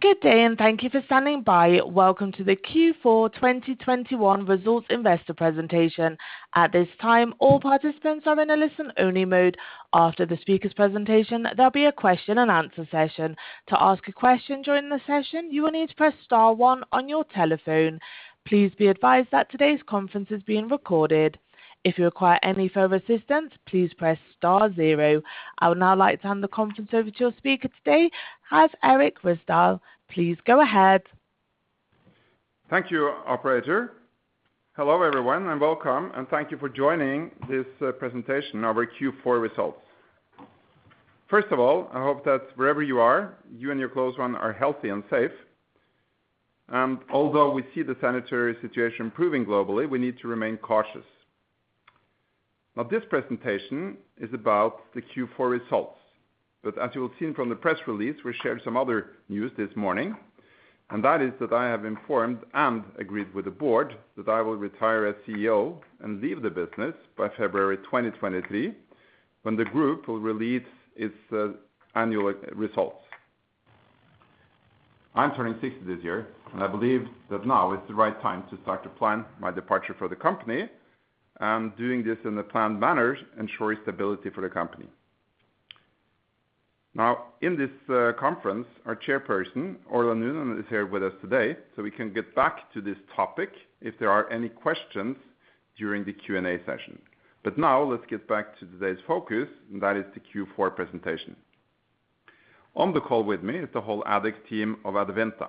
Good day and thank you for standing by. Welcome to the Q4 2021 Results Investor Presentation. At this time, all participants are in a listen-only mode. After the speaker's presentation, there'll be a question and answer session. To ask a question during the session, you will need to press star one on your telephone. Please be advised that today's conference is being recorded. If you require any further assistance, please press star zero. I would now like to hand the conference over to your speaker today, Rolv Erik Ryssdal. Please go ahead. Thank you, operator. Hello, everyone, and welcome, and thank you for joining this presentation of our Q4 results. First of all, I hope that wherever you are, you and your close ones are healthy and safe. Although we see the sanitary situation improving globally, we need to remain cautious. Now, this presentation is about the Q4 results. As you have seen from the press release, we shared some other news this morning, and that is that I have informed and agreed with the board that I will retire as CEO and leave the business by February 2023, when the group will release its annual results. I'm turning 60 this year, and I believe that now is the right time to start to plan my departure for the company. Doing this in a planned manner ensures stability for the company. Now, in this conference, our chairperson, Orla Noonan, is here with us today, so we can get back to this topic if there are any questions during the Q&A session. Now let's get back to today's focus, and that is the Q4 presentation. On the call with me is the whole exec team of Adevinta.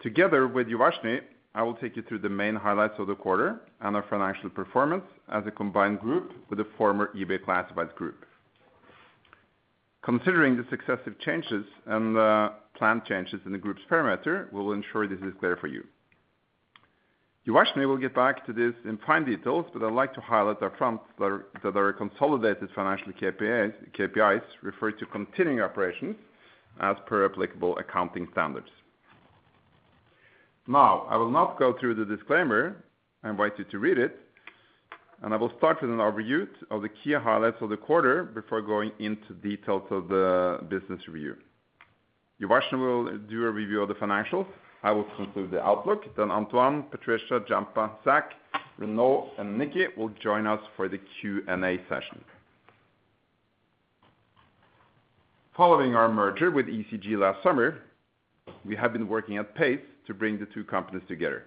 Together with Uvashni, I will take you through the main highlights of the quarter and our financial performance as a combined group with the former eBay Classifieds Group. Considering the successive changes and the planned changes in the group's perimeter, we'll ensure this is clear for you. Uvashni will get back to this in fine details, but I'd like to highlight our fronts that are a consolidated financial KPI, KPIs referred to continuing operations as per applicable accounting standards. Now, I will not go through the disclaimer. I invite you to read it, and I will start with an overview of the key highlights of the quarter before going into details of the business review. Uvashni will do a review of the financials. I will conclude the outlook. Then Antoine, Patricia, Gianpaolo, Zac, Renaud, and Nicki will join us for the Q&A session. Following our merger with ECG last summer, we have been working at pace to bring the two companies together.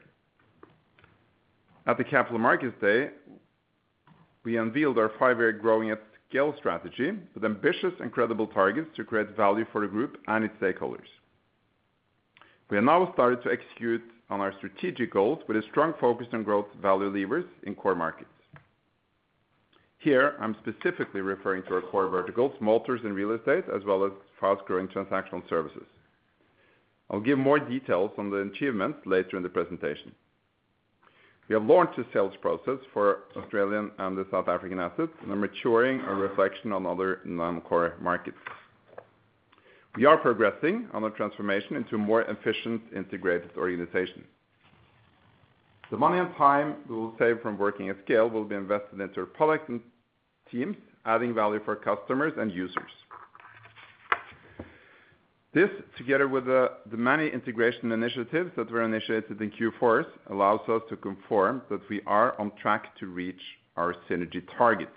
At the Capital Markets Day, we unveiled our five-year growing at scale strategy with ambitious and credible targets to create value for the group and its stakeholders. We have now started to execute on our strategic goals with a strong focus on growth value levers in core markets. Here, I'm specifically referring to our core verticals, motors and real estate, as well as fast-growing transactional services. I'll give more details on the achievements later in the presentation. We have launched a sales process for Australian and the South African assets, and are maturing our reflection on other non-core markets. We are progressing on the transformation into more efficient, integrated organizations. The money and time we will save from working at scale will be invested into our product and teams, adding value for customers and users. This, together with the many integration initiatives that were initiated in Q4, allows us to confirm that we are on track to reach our synergy targets.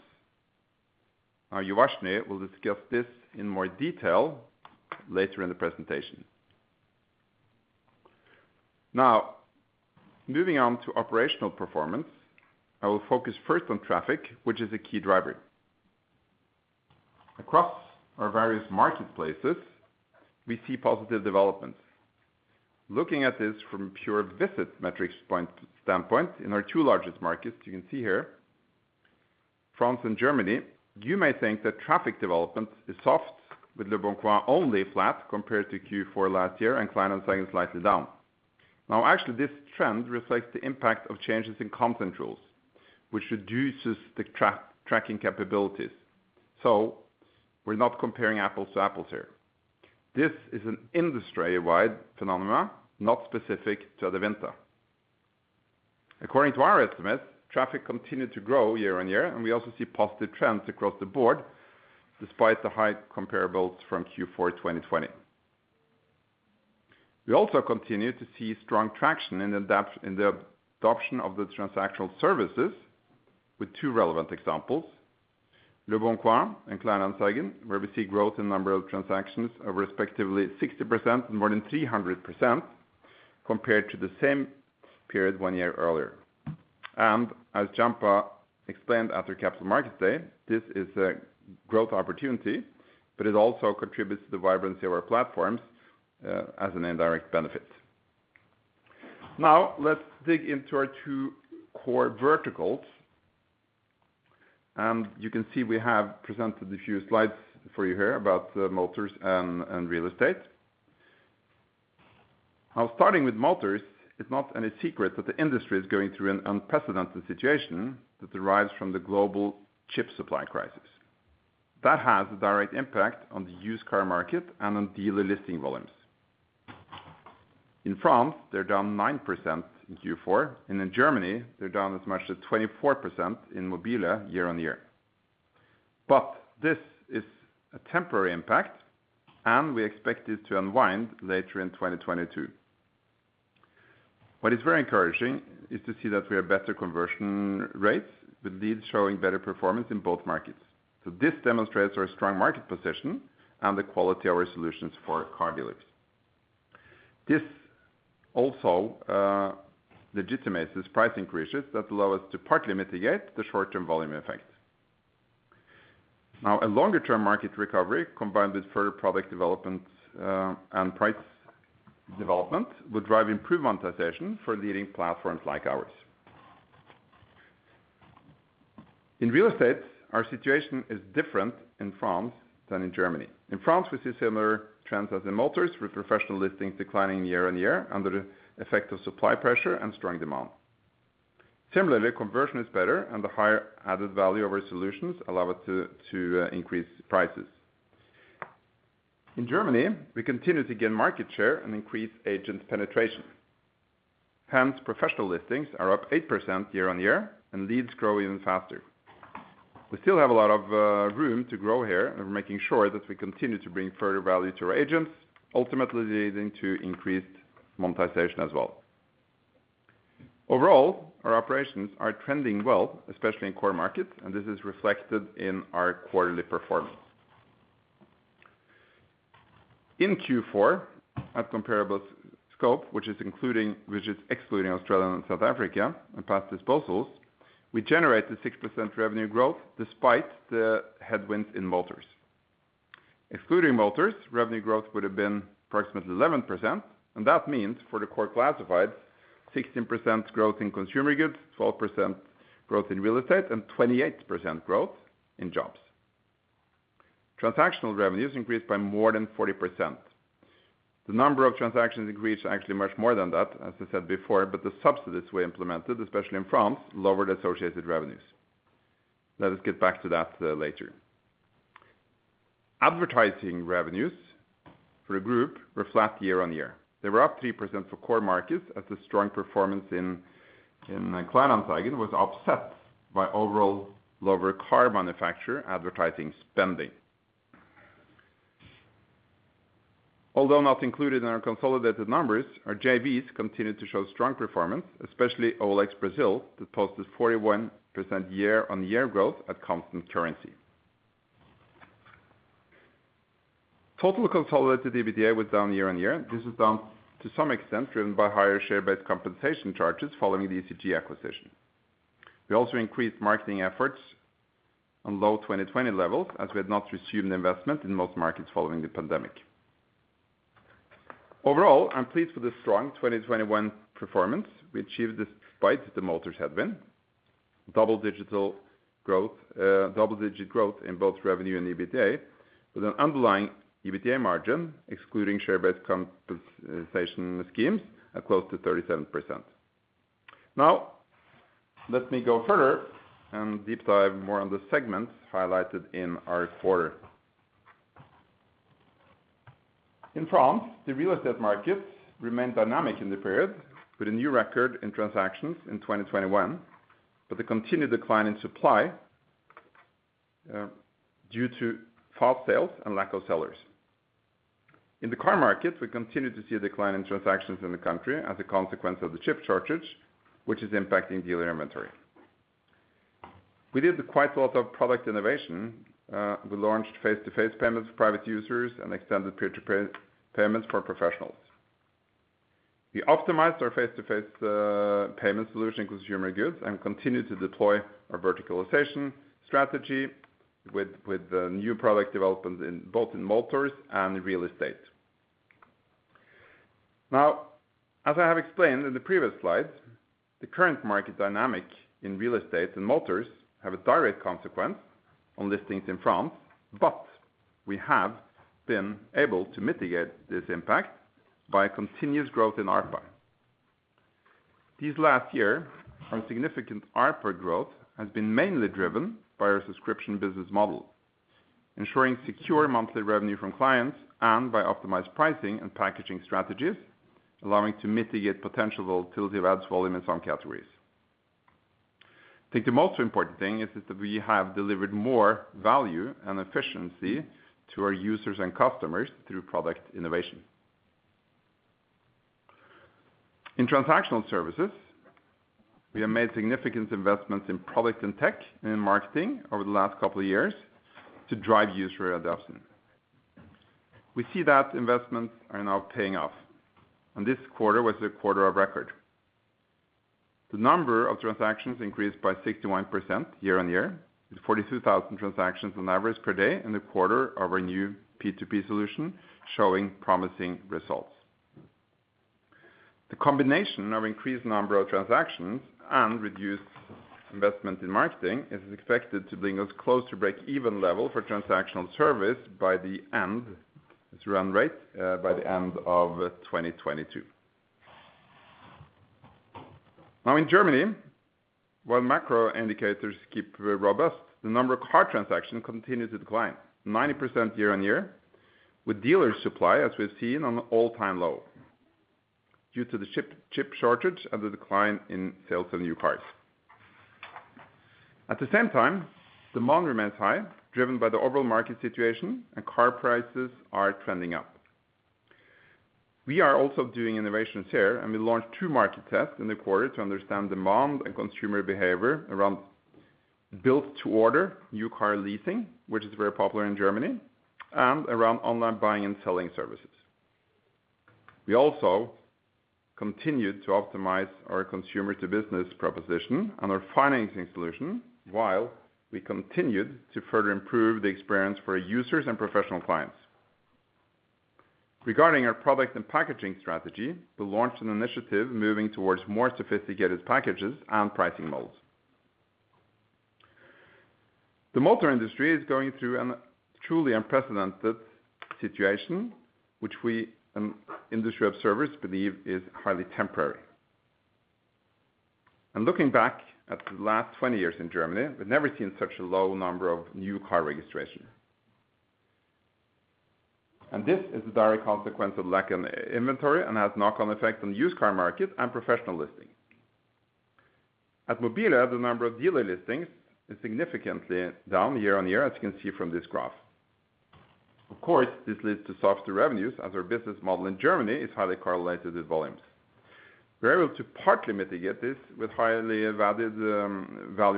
Now, Uvashni will discuss this in more detail later in the presentation. Now, moving on to operational performance, I will focus first on traffic, which is a key driver. Across our various marketplaces, we see positive developments. Looking at this from pure visit metrics standpoint in our two largest markets, you can see here, France and Germany, you may think that traffic development is soft, with leboncoin only flat compared to Q4 last year and Kleinanzeigen slightly down. Now, actually, this trend reflects the impact of changes in content rules, which reduces the tracking capabilities. We're not comparing apples to apples here. This is an industry-wide phenomenon, not specific to Adevinta. According to our estimates, traffic continued to grow year-on-year, and we also see positive trends across the board, despite the high comparables from Q4 2020. We also continue to see strong traction in the adoption of the transactional services with two relevant examples, leboncoin and Kleinanzeigen, where we see growth in number of transactions of respectively 60%, more than 300%, compared to the same period one year earlier. As Gianpaolo explained at the Capital Markets Day, this is a growth opportunity, but it also contributes to the vibrancy of our platforms as an indirect benefit. Now, let's dig into our two core verticals. You can see we have presented a few slides for you here about motors and real estate. Now, starting with motors, it's not any secret that the industry is going through an unprecedented situation that derives from the global chip supply crisis. That has a direct impact on the used car market and on dealer listing volumes. In France, they're down 9% in Q4, and in Germany, they're down as much as 24% in mobile.de year-on-year. This is a temporary impact, and we expect it to unwind later in 2022. What is very encouraging is to see that we have better conversion rates with leads showing better performance in both markets. This demonstrates our strong market position and the quality of our solutions for car dealers. This also legitimizes price increases that allow us to partly mitigate the short-term volume effect. Now, a longer-term market recovery combined with further product development and price development will drive improved monetization for leading platforms like ours. In real estate, our situation is different in France than in Germany. In France, we see similar trends as in motors, with professional listings declining year-on-year under the effect of supply pressure and strong demand. Similarly, conversion is better, and the higher added value of our solutions allow us to increase prices. In Germany, we continue to gain market share and increase agent penetration. Hence, professional listings are up 8% year-on-year, and leads grow even faster. We still have a lot of room to grow here and we're making sure that we continue to bring further value to our agents, ultimately leading to increased monetization as well. Overall, our operations are trending well, especially in core markets, and this is reflected in our quarterly performance. In Q4, at comparable scope, which is excluding Australia and South Africa and past disposals, we generated 6% revenue growth despite the headwinds in motors. Excluding motors, revenue growth would have been approximately 11%, and that means for the core classifieds, 16% growth in consumer goods, 12% growth in real estate, and 28% growth in jobs. Transactional revenues increased by more than 40%. The number of transactions increased actually much more than that, as I said before, but the subsidies we implemented, especially in France, lowered associated revenues. Let us get back to that later. Advertising revenues for the group were flat year-on-year. They were up 3% for core markets as the strong performance in Kleinanzeigen was offset by overall lower car manufacturer advertising spending. Although not included in our consolidated numbers, our JVs continued to show strong performance, especially OLX Brazil, that posted 41% year-on-year growth at constant currency. Total consolidated EBITDA was down year-on-year. This is down to some extent driven by higher share-based compensation charges following the ECG acquisition. We also increased marketing efforts on low 2020 levels as we had not resumed investment in most markets following the pandemic. Overall, I'm pleased with the strong 2021 performance. We achieved, despite the motors headwind, double-digit growth in both revenue and EBITDA with an underlying EBITDA margin excluding share-based compensation schemes at close to 37%. Now, let me go further and deep dive more on the segments highlighted in our quarter. In France, the real estate markets remained dynamic in the period with a new record in transactions in 2021, but the continued decline in supply due to fast sales and lack of sellers. In the car markets, we continued to see a decline in transactions in the country as a consequence of the chip shortage, which is impacting dealer inventory. We did quite a lot of product innovation. We launched face-to-face payments for private users and extended peer-to-peer payments for professionals. We optimized our face-to-face payment solution consumer goods and continued to deploy our verticalization strategy with the new product developments in both motors and real estate. Now, as I have explained in the previous slides, the current market dynamic in real estate and motors have a direct consequence on listings in France, but we have been able to mitigate this impact by continuous growth in ARPA. This last year, our significant ARPA growth has been mainly driven by our subscription business model, ensuring secure monthly revenue from clients and by optimized pricing and packaging strategies, allowing to mitigate potential volatility of ads volumes on categories. I think the most important thing is that we have delivered more value and efficiency to our users and customers through product innovation. In transactional services, we have made significant investments in product and tech and in marketing over the last couple of years to drive user adoption. We see that investments are now paying off, and this quarter was a quarter of record. The number of transactions increased by 61% year-on-year, with 42,000 transactions on average per day in the quarter of our new P2P solution showing promising results. The combination of increased number of transactions and reduced investment in marketing is expected to bring us close to break-even level for transactional service by the end of its run rate by the end of 2022. Now in Germany, while macro indicators keep very robust, the number of car transactions continue to decline 90% year-on-year with dealer supply, as we've seen at an all-time low due to the chip shortage and the decline in sales of new cars. At the same time, demand remains high, driven by the overall market situation, and car prices are trending up. We are also doing innovations here, and we launched two market tests in the quarter to understand demand and consumer behavior around build-to-order new car leasing, which is very popular in Germany, and around online buying and selling services. We also continued to optimize our consumer to business proposition and our financing solution while we continued to further improve the experience for users and professional clients. Regarding our product and packaging strategy, we launched an initiative moving towards more sophisticated packages and pricing models. The motor industry is going through a truly unprecedented situation which we and industry observers believe is highly temporary. Looking back at the last 20 years in Germany, we've never seen such a low number of new car registrations. This is a direct consequence of lack of inventory and has knock-on effect on the used car market and professional listings. At mobile.de, the number of dealer listings is significantly down year-on-year, as you can see from this graph. Of course, this leads to softer revenues as our business model in Germany is highly correlated with volumes. We're able to partly mitigate this with high value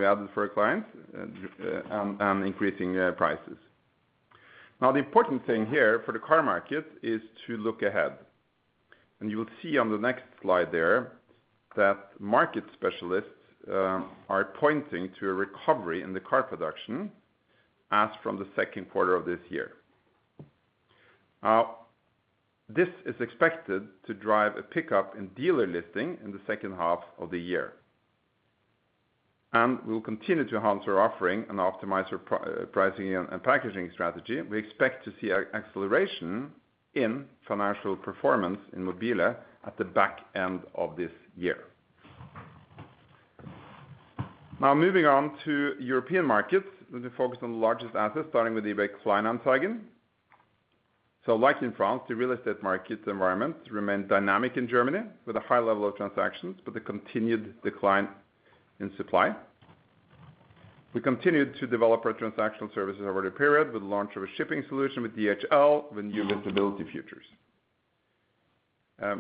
added for our clients, and increasing prices. Now, the important thing here for the car market is to look ahead. You will see on the next slide there that market specialists are pointing to a recovery in the car production as from the second quarter of this year. This is expected to drive a pickup in dealer listing in the second half of the year. We'll continue to enhance our offering and optimize our pricing and packaging strategy. We expect to see an acceleration in financial performance in mobile.de at the back end of this year. Now moving on to European markets with the focus on the largest assets, starting with eBay Kleinanzeigen. in France, the real estate market environment remained dynamic in Germany with a high level of transactions but a continued decline in supply. We continued to develop our transactional services over the period with the launch of a shipping solution with DHL with new visibility features.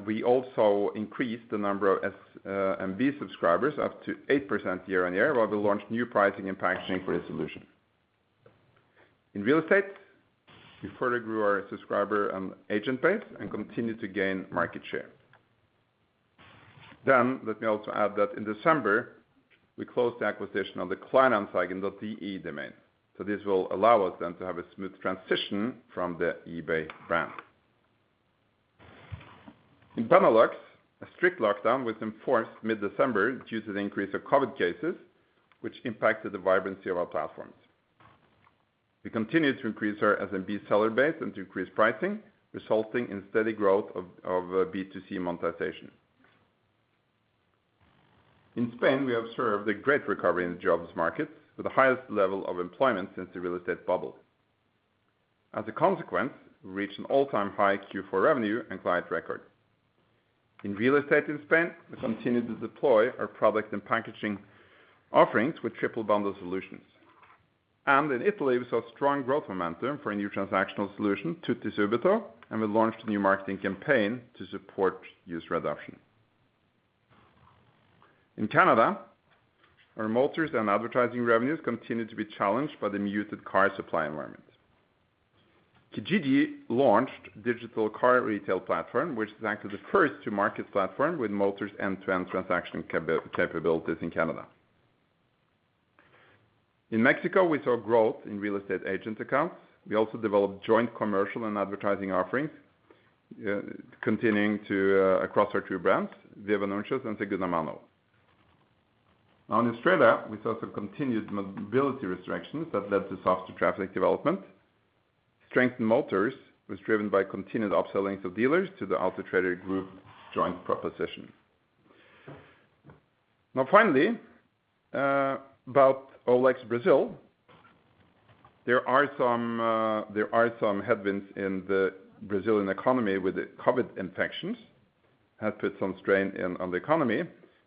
We also increased the number of SMB subscribers up 8% year-over-year, while we launched new pricing and packaging for this solution. In real estate, we further grew our subscriber and agent base and continued to gain market share. Let me also add that in December, we closed the acquisition of the kleinanzeigen.de domain. This will allow us then to have a smooth transition from the eBay brand. In Benelux, a strict lockdown was enforced mid-December due to the increase of COVID cases, which impacted the vibrancy of our platforms. We continued to increase our SMB seller base and to increase pricing, resulting in steady growth of B2C monetization. In Spain, we observed a great recovery in the jobs market with the highest level of employment since the real estate bubble. As a consequence, we reached an all-time high Q4 revenue and client record. In real estate in Spain, we continued to deploy our product and packaging offerings with triple bundle solutions. In Italy, we saw strong growth momentum for a new transactional solution, TuttoSubito, and we launched a new marketing campaign to support used reduction. In Canada, our motors and advertising revenues continued to be challenged by the muted car supply environment. Kijiji launched digital car retail platform, which is actually the first to market platform with motors end-to-end transaction capabilities in Canada. In Mexico, we saw growth in real estate agent accounts. We also developed joint commercial and advertising offerings across our two brands, Vivanuncios and Segundamano. Now in Australia, we saw some continued mobility restrictions that led to softer traffic development. Strength in motors was driven by continued upselling to dealers to the Auto Trader Group joint proposition. Now finally, about OLX Brazil, there are some headwinds in the Brazilian economy with the COVID infections that has put some strain on the economy,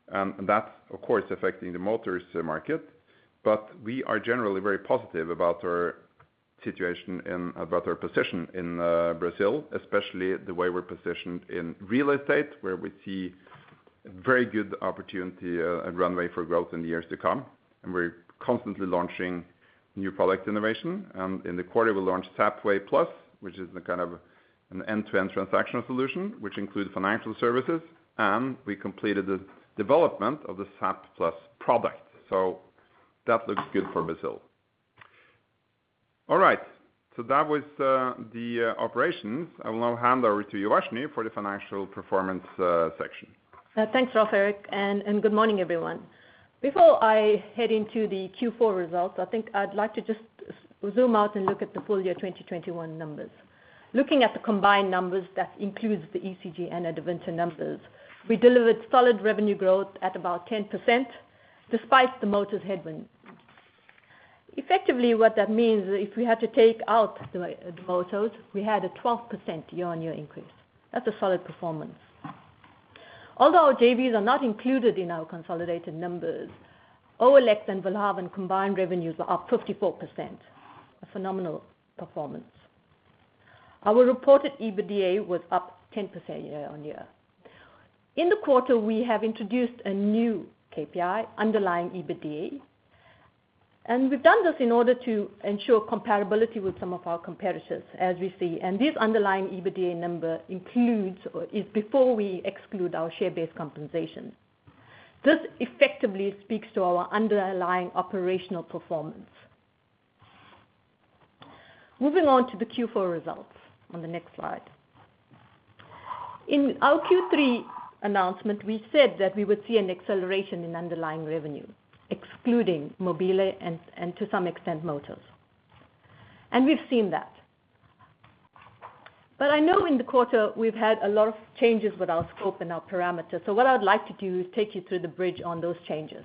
and that's of course affecting the motors market. But we are generally very positive about our situation and about our position in Brazil, especially the way we're positioned in real estate, where we see very good opportunity and runway for growth in the years to come. We're constantly launching new product innovation. In the quarter we launched ZapWay+, which is the kind of an end-to-end transactional solution, which includes financial services. We completed the development of the Zap+ product. That looks good for Brazil. All right, that was the operations. I will now hand over to Uvashni for the financial performance section. Thanks, Rolv Erik, and good morning, everyone. Before I head into the Q4 results, I think I'd like to just zoom out and look at the full-year 2021 numbers. Looking at the combined numbers that includes the ECG and Adevinta numbers, we delivered solid revenue growth at about 10% despite the motors headwind. Effectively, what that means if we had to take out the motors, we had a 12% year-on-year increase. That's a solid performance. Although our JVs are not included in our consolidated numbers, OLX and willhaben combined revenues were up 54%, a phenomenal performance. Our reported EBITDA was up 10% year-on-year. In the quarter, we have introduced a new KPI, underlying EBITDA, and we've done this in order to ensure comparability with some of our competitors, as we see. This underlying EBITDA number includes or is before we exclude our share-based compensation. This effectively speaks to our underlying operational performance. Moving on to the Q4 results on the next slide. In our Q3 announcement, we said that we would see an acceleration in underlying revenue, excluding mobile.de and to some extent, Motors. We've seen that. I know in the quarter we've had a lot of changes with our scope and our parameters. What I would like to do is take you through the bridge on those changes.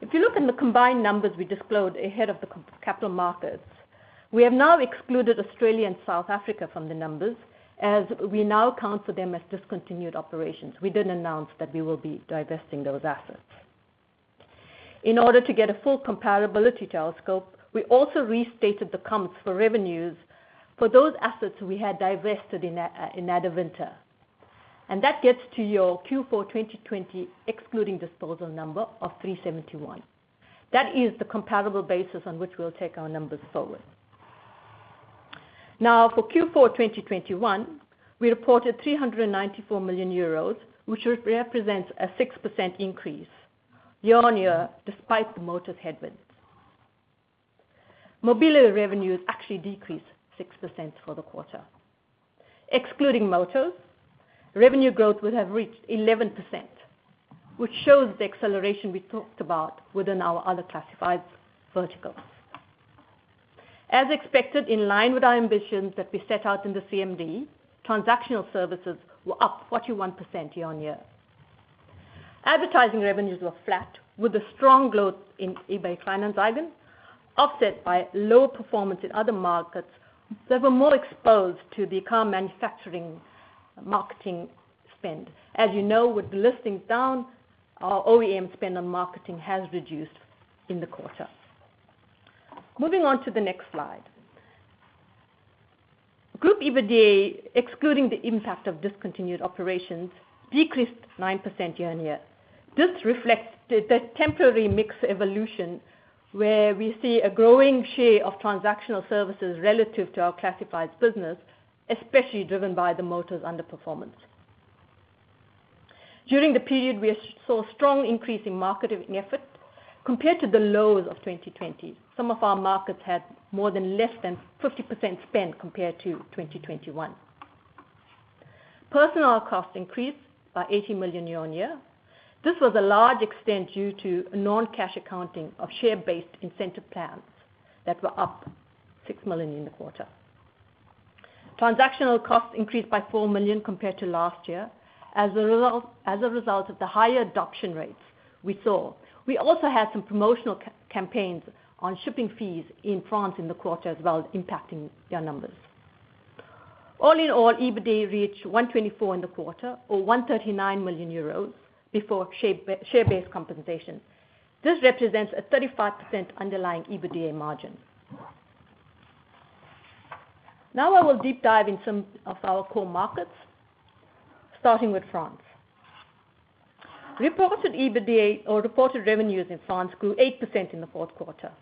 If you look in the combined numbers we disclosed ahead of the Capital Markets Day, we have now excluded Australia and South Africa from the numbers as we now count them as discontinued operations. We didn't announce that we will be divesting those assets. In order to get a full comparability to our scope, we also restated the comps for revenues for those assets we had divested in Adevinta. That gets to your Q4 2020 excluding disposal number of 371. That is the comparable basis on which we'll take our numbers forward. Now, for Q4 2021, we reported 394 million euros, which represents a 6% increase year-on-year despite the Motors headwinds. Mobile.de revenues actually decreased 6% for the quarter. Excluding Motors, revenue growth would have reached 11%, which shows the acceleration we talked about within our other classified verticals. As expected, in line with our ambitions that we set out in the CMD, transactional services were up 41% year-on-year. Advertising revenues were flat with a strong growth in eBay Kleinanzeigen, offset by lower performance in other markets that were more exposed to the car manufacturing marketing spend. As you know, with the listings down, our OEM spend on marketing has reduced in the quarter. Moving on to the next slide. Group EBITDA, excluding the impact of discontinued operations, decreased 9% year-on-year. This reflects the temporary mix evolution, where we see a growing share of transactional services relative to our classified business, especially driven by the Motors underperformance. During the period, we saw a strong increase in marketing effort compared to the lows of 2020. Some of our markets had less than 50% spend compared to 2021. Personnel costs increased by 80 million year-on-year. This was a large extent due to non-cash accounting of share-based incentive plans that were up 6 million in the quarter. Transactional costs increased by 4 million compared to last year as a result of the higher adoption rates we saw. We also had some promotional campaigns on shipping fees in France in the quarter as well, impacting their numbers. All in all, EBITDA reached 124 in the quarter or 139 million euros before share-based compensation. This represents a 35% underlying EBITDA margin. Now I will deep dive in some of our core markets, starting with France. Reported EBITDA or reported revenues in France grew 8% in the fourth quarter.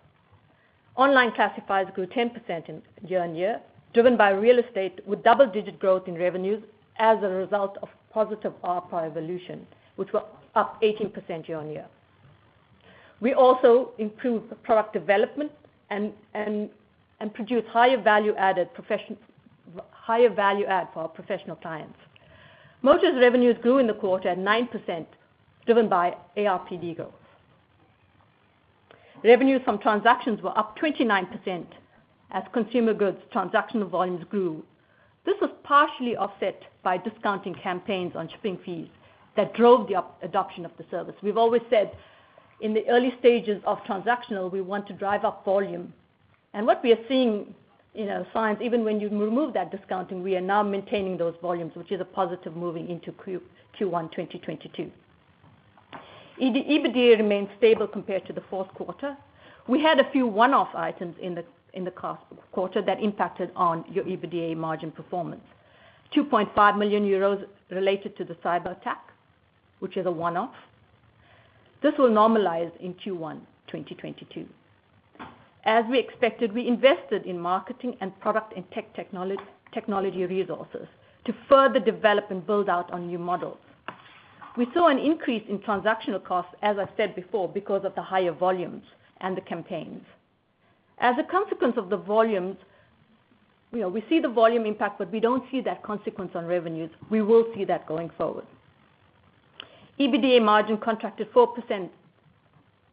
Online classifieds grew 10% year-over-year, driven by real estate with double-digit growth in revenues as a result of positive ARPA evolution, which were up 18% year-over-year. We also improved product development and produced higher value add for our professional clients. Motors revenues grew in the quarter at 9% driven by ARPD growth. Revenues from transactions were up 29% as consumer goods transactional volumes grew. This was partially offset by discounting campaigns on shipping fees that drove the uptake adoption of the service. We've always said in the early stages of transactional, we want to drive up volume. What we are seeing since, even when you remove that discounting, we are now maintaining those volumes, which is a positive moving into Q1 2022. EBITDA remains stable compared to the fourth quarter. We had a few one-off items in the past quarter that impacted on our EBITDA margin performance. 2.5 million euros related to the cyberattack, which is a one-off. This will normalize in Q1 2022. As we expected, we invested in marketing and product and tech technology resources to further develop and build out on new models. We saw an increase in transactional costs, as I said before, because of the higher volumes and the campaigns. As a consequence of the volumes, you know, we see the volume impact, but we don't see that consequence on revenues. We will see that going forward. EBITDA margin contracted 4%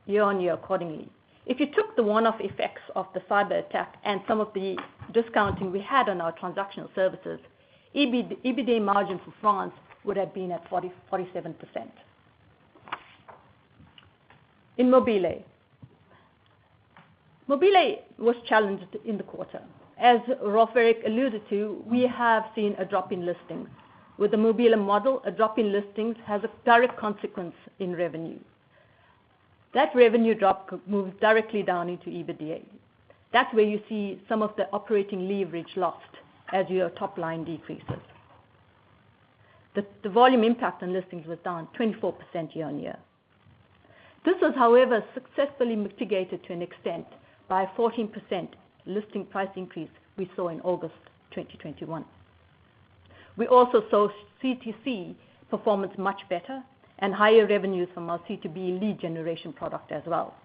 year-on-year accordingly. If you took the one-off effects of the cyber attack and some of the discounting we had on our transactional services, EBITDA margin for France would have been at 40%-47%. In mobile.de. mobile.de was challenged in the quarter. As Rolv Erik alluded to, we have seen a drop in listings. With the mobile.de model, a drop in listings has a direct consequence in revenue. That revenue drop could move directly down into EBITDA. That's where you see some of the operating leverage lost as your top-line decreases. The volume impact on listings was down 24% year-on-year. This was, however, successfully mitigated to an extent by a 14% listing price increase we saw in August 2021. We also saw C2C performance much better and higher revenues from our C2B lead generation product as well.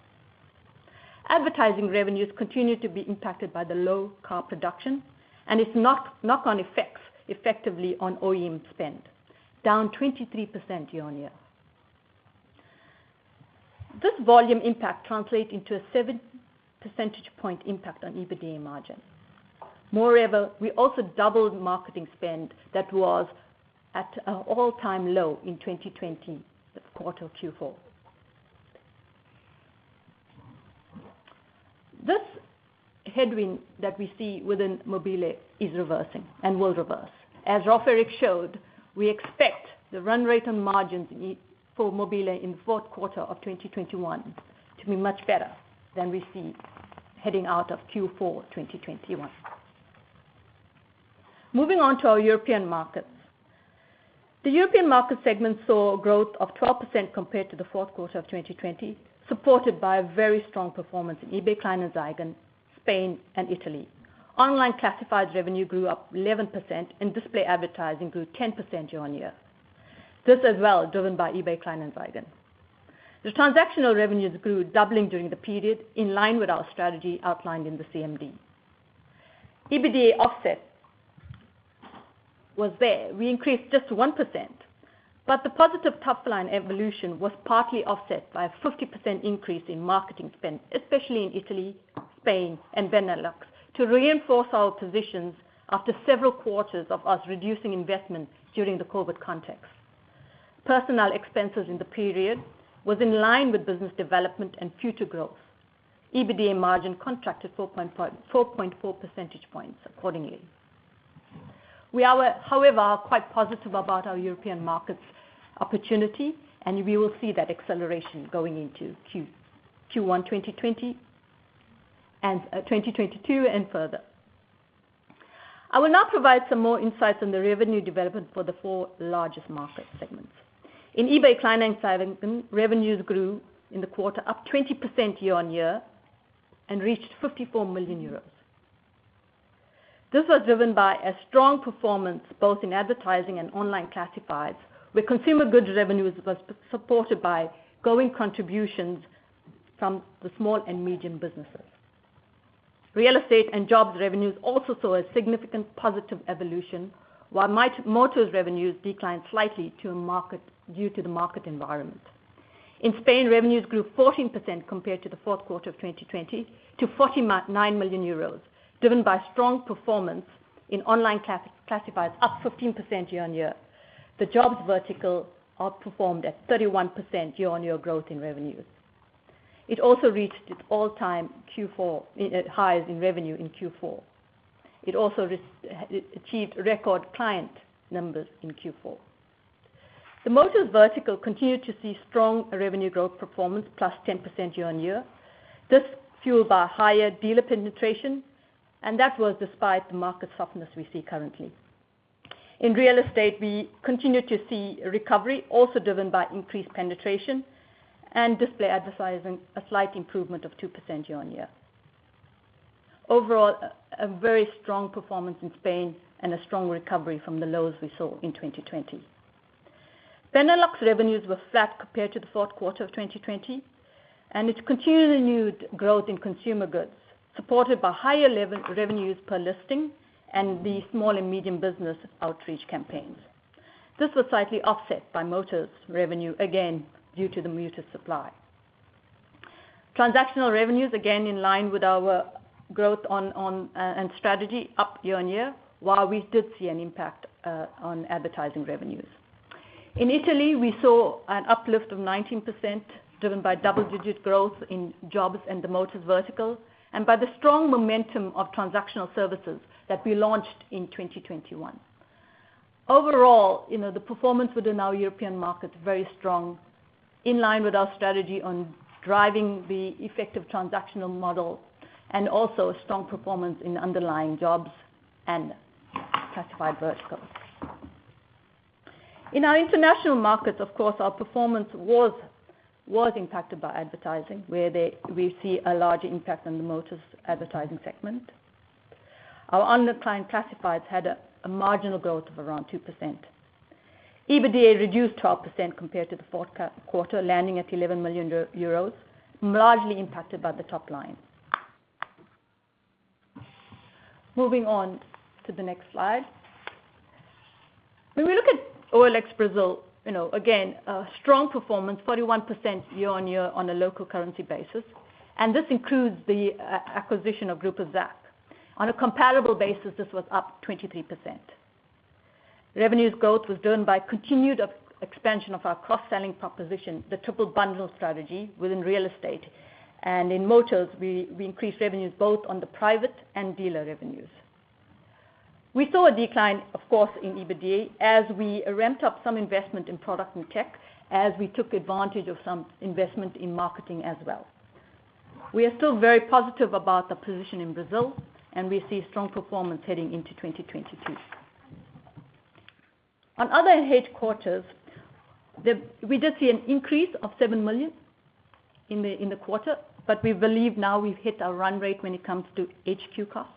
Advertising revenues continued to be impacted by the low car production, and its knock-on effects effectively on OEM spend, down 23% year-on-year. This volume impact translates into a 7 percentage point impact on EBITDA margin. Moreover, we also doubled marketing spend that was at all-time low in 2020, that quarter, Q4. This headwind that we see within mobile.de is reversing and will reverse. As Rolv Erik showed, we expect the run rate on margins for mobile.de In fourth quarter of 2021 to be much better than we see heading out of Q4 2021. Moving on to our European markets. The European market segment saw growth of 12% compared to the fourth quarter of 2020, supported by a very strong performance in eBay Kleinanzeigen, Spain, and Italy. Online classified revenue grew up 11% and display advertising grew 10% year-on-year. This was as well driven by eBay Kleinanzeigen. The transactional revenues grew, doubling during the period, in line with our strategy outlined in the CMD. EBITDA was offset there. We increased just 1%, but the positive top-line evolution was partly offset by a 50% increase in marketing spend, especially in Italy, Spain, and Benelux, to reinforce our positions after several quarters of us reducing investments during the COVID context. Personnel expenses in the period was in line with business development and future growth. EBITDA margin contracted 4.4 percentage points accordingly. We are, however, quite positive about our European markets opportunity, and we will see that acceleration going into Q1 2020 and 2022 and further. I will now provide some more insights on the revenue development for the four largest market segments. In eBay Kleinanzeigen, revenues grew in the quarter up 20% year-on-year and reached 54 million euros. This was driven by a strong performance both in advertising and online classifieds, where consumer goods revenues was supported by growing contributions from the small and medium businesses. Real estate and jobs revenues also saw a significant positive evolution, while motors revenues declined slightly due to the market environment. In Spain, revenues grew 14% compared to the fourth quarter of 2020 to 49 million euros, driven by strong performance in online classifieds up 15% year-on-year. The jobs vertical outperformed at 31% year-on-year growth in revenues. It also reached its all-time Q4 highs in revenue in Q4. It also achieved record client numbers in Q4. The motors vertical continued to see strong revenue growth performance +10% year-on-year. This fueled by higher dealer penetration, and that was despite the market softness we see currently. In real estate, we continue to see recovery also driven by increased penetration and display advertising, a slight improvement of 2% year-on-year. Overall, a very strong performance in Spain and a strong recovery from the lows we saw in 2020. Benelux revenues were flat compared to the fourth quarter of 2020, and it continued renewed growth in consumer goods, supported by higher revenues per listing and the small and medium business outreach campaigns. This was slightly offset by motors revenue, again, due to the muted supply. Transactional revenues, again, in line with our growth and strategy up year-on-year, while we did see an impact on advertising revenues. In Italy, we saw an uplift of 19% driven by double-digit growth in jobs and the motors verticals, and by the strong momentum of transactional services that we launched in 2021. Overall, you know, the performance within our European market, very strong, in line with our strategy on driving the effective transactional model and also a strong performance in underlying jobs and classified verticals. In our international markets, of course, our performance was impacted by advertising, where we see a larger impact on the motors advertising segment. Our underlying classifieds had a marginal growth of around 2%. EBITDA reduced 12% compared to the fourth quarter, landing at 11 million euros, largely impacted by the top-line. Moving on to the next slide. When we look at OLX Brazil, you know, again, a strong performance, 41% year-on-year on a local currency basis, and this includes the acquisition of Grupo ZAP. On a comparable basis, this was up 23%. Revenue's growth was driven by continued expansion of our cross-selling proposition, the triple bundle strategy within real estate. In motors, we increased revenues both on the private and dealer revenues. We saw a decline, of course, in EBITDA as we ramped up some investment in product and tech, as we took advantage of some investment in marketing as well. We are still very positive about the position in Brazil, and we see strong performance heading into 2022. On other headquarters, we did see an increase of 7 million in the quarter, but we believe now we've hit our run-rate when it comes to HQ costs.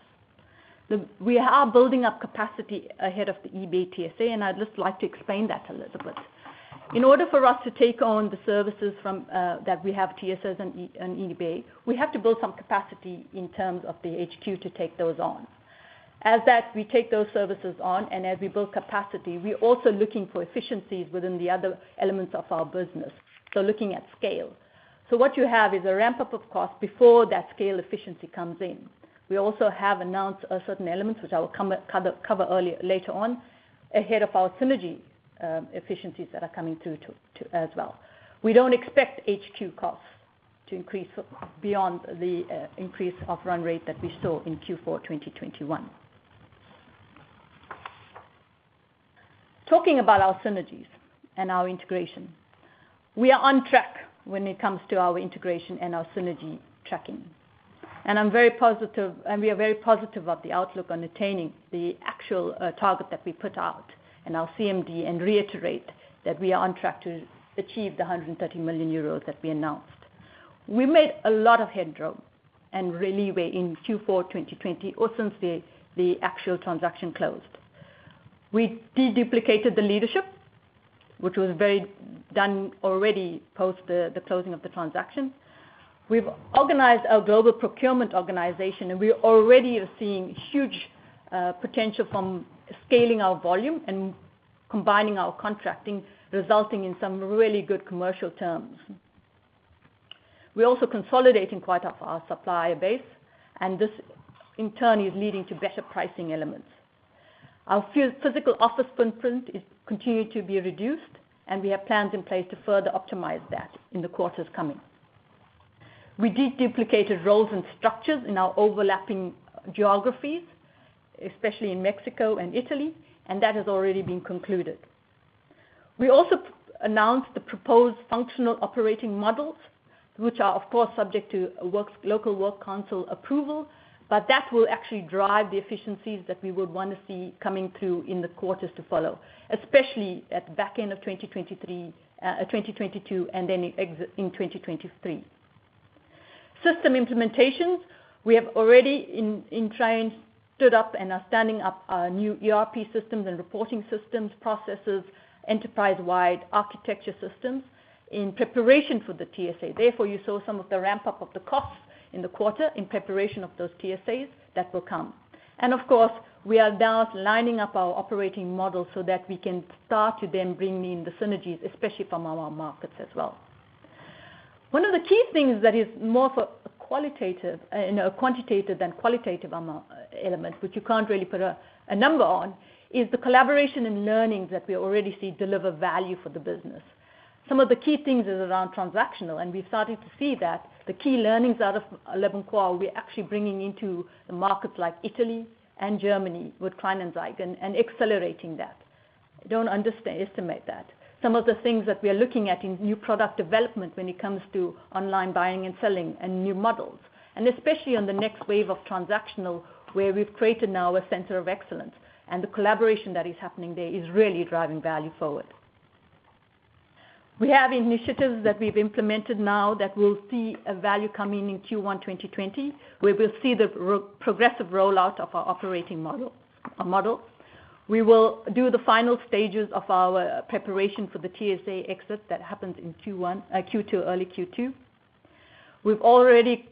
We are building up capacity ahead of the eBay TSA, and I'd just like to explain that a little bit. In order for us to take on the services from that we have TSAs and eBay, we have to build some capacity in terms of the HQ to take those on. As we take those services on, and as we build capacity, we're also looking for efficiencies within the other elements of our business, looking at scale. What you have is a ramp-up of costs before that scale efficiency comes in. We also have announced certain elements, which I will cover later on, ahead of our synergy efficiencies that are coming through as well. We don't expect HQ costs to increase beyond the increase of run-rate that we saw in Q4 2021. Talking about our synergies and our integration. We are on track when it comes to our integration and our synergy tracking. I'm very positive, and we are very positive about the outlook on attaining the actual target that we put out in our CMD, and reiterate that we are on track to achieve 130 million euros that we announced. We made a lot of headway, and really were in Q4 2020 or since the actual transaction closed. We de-duplicated the leadership, which was done already post the closing of the transaction. We've organized our global procurement organization, and we already are seeing huge potential from scaling our volume and combining our contracting, resulting in some really good commercial terms. We're also consolidating quite a lot of our supplier base, and this in turn is leading to better pricing elements. Our physical office footprint is continued to be reduced, and we have plans in place to further optimize that in the coming quarters. We deduplicated roles and structures in our overlapping geographies, especially in Mexico and Italy, and that has already been concluded. We also announced the proposed functional operating models, which are of course subject to local works council approval, but that will actually drive the efficiencies that we would wanna see coming through in the quarters to follow, especially at the back end of 2022, and then in 2023. System implementations. We have already stood up and are standing up our new ERP systems and reporting systems, processes, enterprise-wide architecture systems in preparation for the TSA. Therefore, you saw some of the ramp-up of the costs in the quarter in preparation of those TSAs that will come. Of course, we are now lining up our operating models so that we can start to then bring in the synergies, especially from our markets as well. One of the key things that is more quantitative than qualitative element, which you can't really put a number on, is the collaboration and learnings that we already see deliver value for the business. Some of the key things is around transactional, and we've started to see that the key learnings out of leboncoin we're actually bringing into the markets like Italy and Germany with Kleinanzeigen and accelerating that. Don't underestimate that. Some of the things that we are looking at in new product development when it comes to online buying and selling and new models, and especially on the next wave of transactional, where we've created now a center of excellence, and the collaboration that is happening there is really driving value forward. We have initiatives that we've implemented now that will see a value coming in Q1 2020. We will see the progressive rollout of our operating models. We will do the final stages of our preparation for the TSA exit that happens in Q1, Q2, early Q2. We've already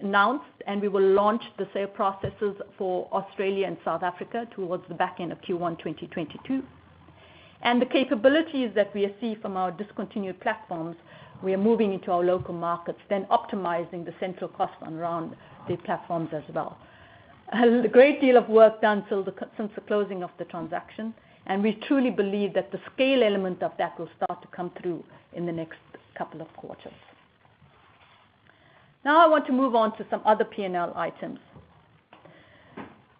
announced and we will launch the sale processes for Australia and South Africa towards the back-end of Q1 2022. The capabilities that we have seen from our discontinued platforms, we are moving into our local markets, then optimizing the central costs around these platforms as well. A great deal of work done since the closing of the transaction, and we truly believe that the scale element of that will start to come through in the next couple of quarters. Now I want to move on to some other P&L items.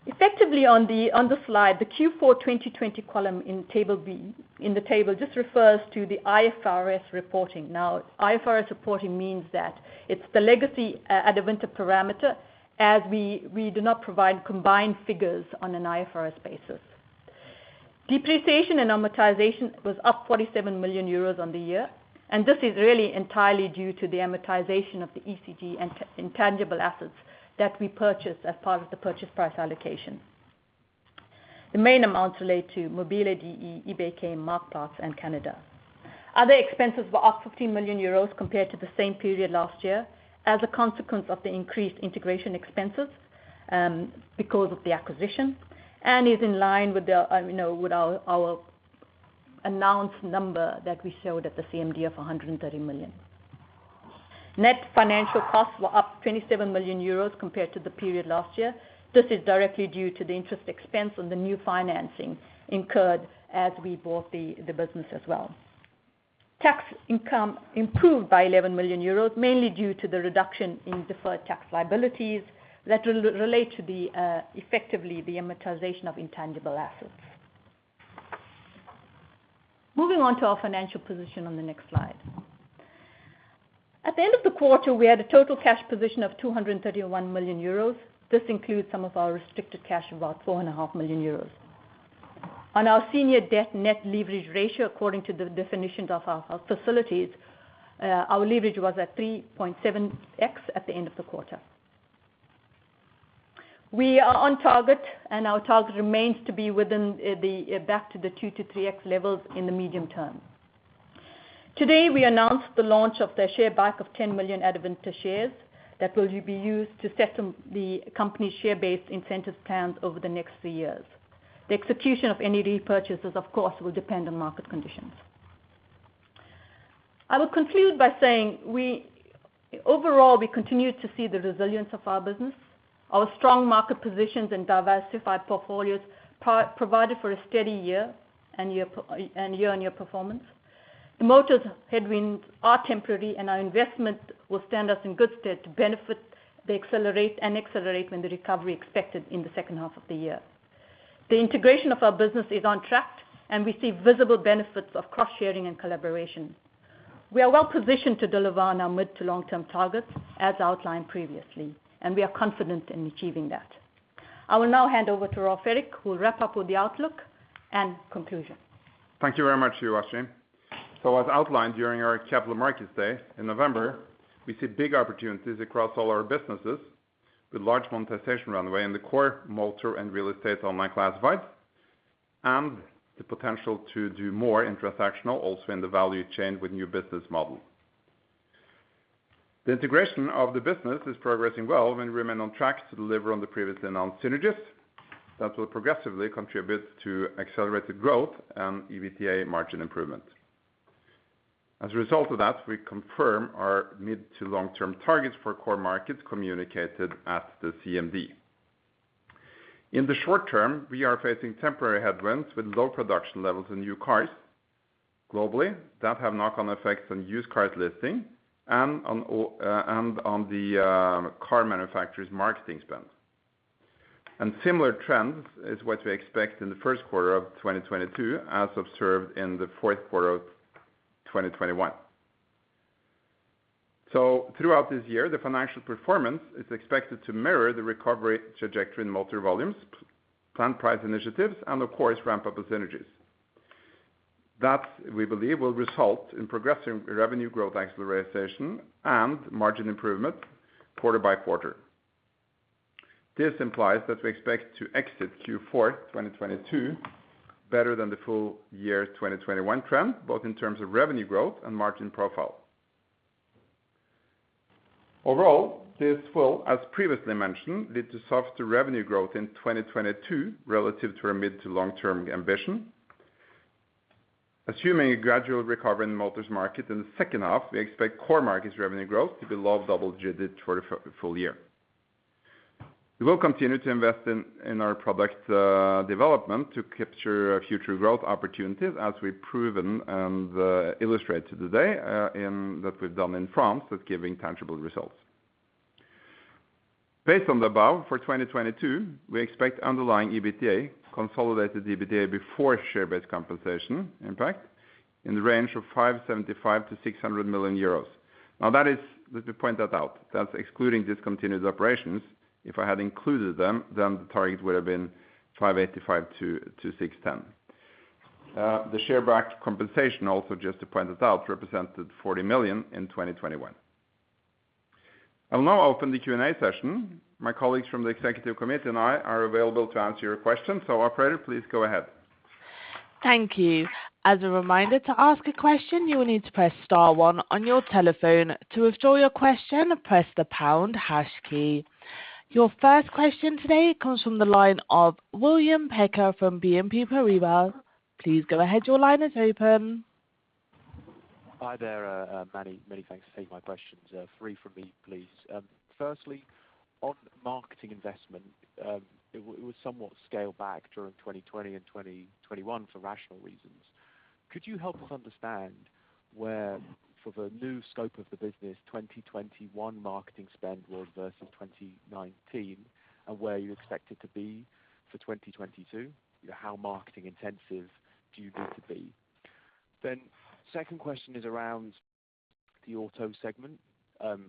Effectively on the slide, the Q4, 2020 column in table B, in the table, just refers to the IFRS reporting. Now, IFRS reporting means that it's the legacy Adevinta perimeter as we do not provide combined figures on an IFRS basis. Depreciation and amortization was up 47 million euros on the year, and this is really entirely due to the amortization of the ECG and intangible assets that we purchased as part of the purchase price allocation. The main amounts relate to mobile.de, eBay Kleinanzeigen, Marktplaats, and Canada. Other expenses were up 15 million euros compared to the same period last year as a consequence of the increased integration expenses because of the acquisition, and is in line with you know, with our announced number that we showed at the CMD of 130 million. Net financial costs were up 27 million euros compared to the period last year. This is directly due to the interest expense on the new financing incurred as we bought the business as well. Tax income improved by 11 million euros, mainly due to the reduction in deferred tax liabilities that relate to, effectively, the amortization of intangible assets. Moving on to our financial position on the next slide. At the end of the quarter, we had a total cash position of 231 million euros. This includes some of our restricted cash, about 4.5 million euros. On our senior debt net leverage ratio, according to the definitions of our facilities, our leverage was at 3.7x at the end of the quarter. We are on target, and our target remains to be within, back to the 2x-3x levels in the medium term. Today, we announced the launch of the share buyback of 10 million Adevinta shares that will be used to settle the company share-based incentives plans over the next three years. The execution of any repurchases, of course, will depend on market conditions. I will conclude by saying, overall, we continue to see the resilience of our business. Our strong market positions and diversified portfolios provided for a steady year-on-year performance. The motors headwinds are temporary, and our investment will stand us in good stead to benefit from the acceleration and accelerate when the recovery is expected in the second half of the year. The integration of our business is on track, and we see visible benefits of cross-sharing and collaboration. We are well positioned to deliver on our mid- to long-term targets as outlined previously, and we are confident in achieving that. I will now hand over to Rolv Erik, who will wrap up with the outlook and conclusion. Thank you very much, Uvashni. As outlined during our Capital Markets Day in November, we see big opportunities across all our businesses with large monetization runway in the core motor and real estate online classifieds, and the potential to do more in transactional also in the value chain with new business models. The integration of the business is progressing well, and we remain on track to deliver on the previously announced synergies that will progressively contribute to accelerated growth and EBITDA margin improvement. As a result of that, we confirm our mid- to long-term targets for core markets communicated at the CMD. In the short-term, we are facing temporary headwinds with low production levels in new cars globally that have knock-on effects on used cars listings and on the car manufacturers' marketing spend. Similar trends is what we expect in the first quarter of 2022, as observed in the fourth quarter of 2021. Throughout this year, the financial performance is expected to mirror the recovery trajectory in motor volumes, planned price initiatives and of course, ramp-up synergies. That, we believe, will result in progressive revenue growth acceleration and margin improvement quarter-by-quarter. This implies that we expect to exit Q4 2022 better than the full-year 2021 trend, both in terms of revenue growth and margin profile. Overall, this will, as previously mentioned, lead to softer revenue growth in 2022 relative to our mid-to long-term ambition. Assuming a gradual recovery in motors market in the second half, we expect core markets revenue growth to be below double-digits for the full-year. We will continue to invest in our product development to capture future growth opportunities as we've proven and illustrated today in that we've done in France with giving tangible results. Based on the above, for 2022, we expect underlying EBITDA, consolidated EBITDA before share-based compensation impact in the range of 575 million-600 million euros. Now that is. Let me point that out, that's excluding discontinued operations. If I had included them, then the target would have been 585 million-610 million. The share-based compensation also, just to point it out, represented 40 million in 2021. I'll now open the Q&A session. My colleagues from the executive committee and I are available to answer your questions. Operator, please go ahead. Thank you. As a reminder to ask a question, you will need to press star one on your telephone. To withdraw your question, press the pound hash key. Your first question today comes from the line of William Packer from BNP Paribas. Please go ahead. Your line is open. Hi there, Manny. Many thanks. Take my questions. Three from me, please. Firstly, on marketing investment, it was somewhat scaled back during 2020 and 2021 for rational reasons. Could you help us understand where for the new scope of the business, 2021 marketing spend was versus 2019 and where you expect it to be for 2022? You know, how marketing intensive do you get to be? Then second question is around the auto segment.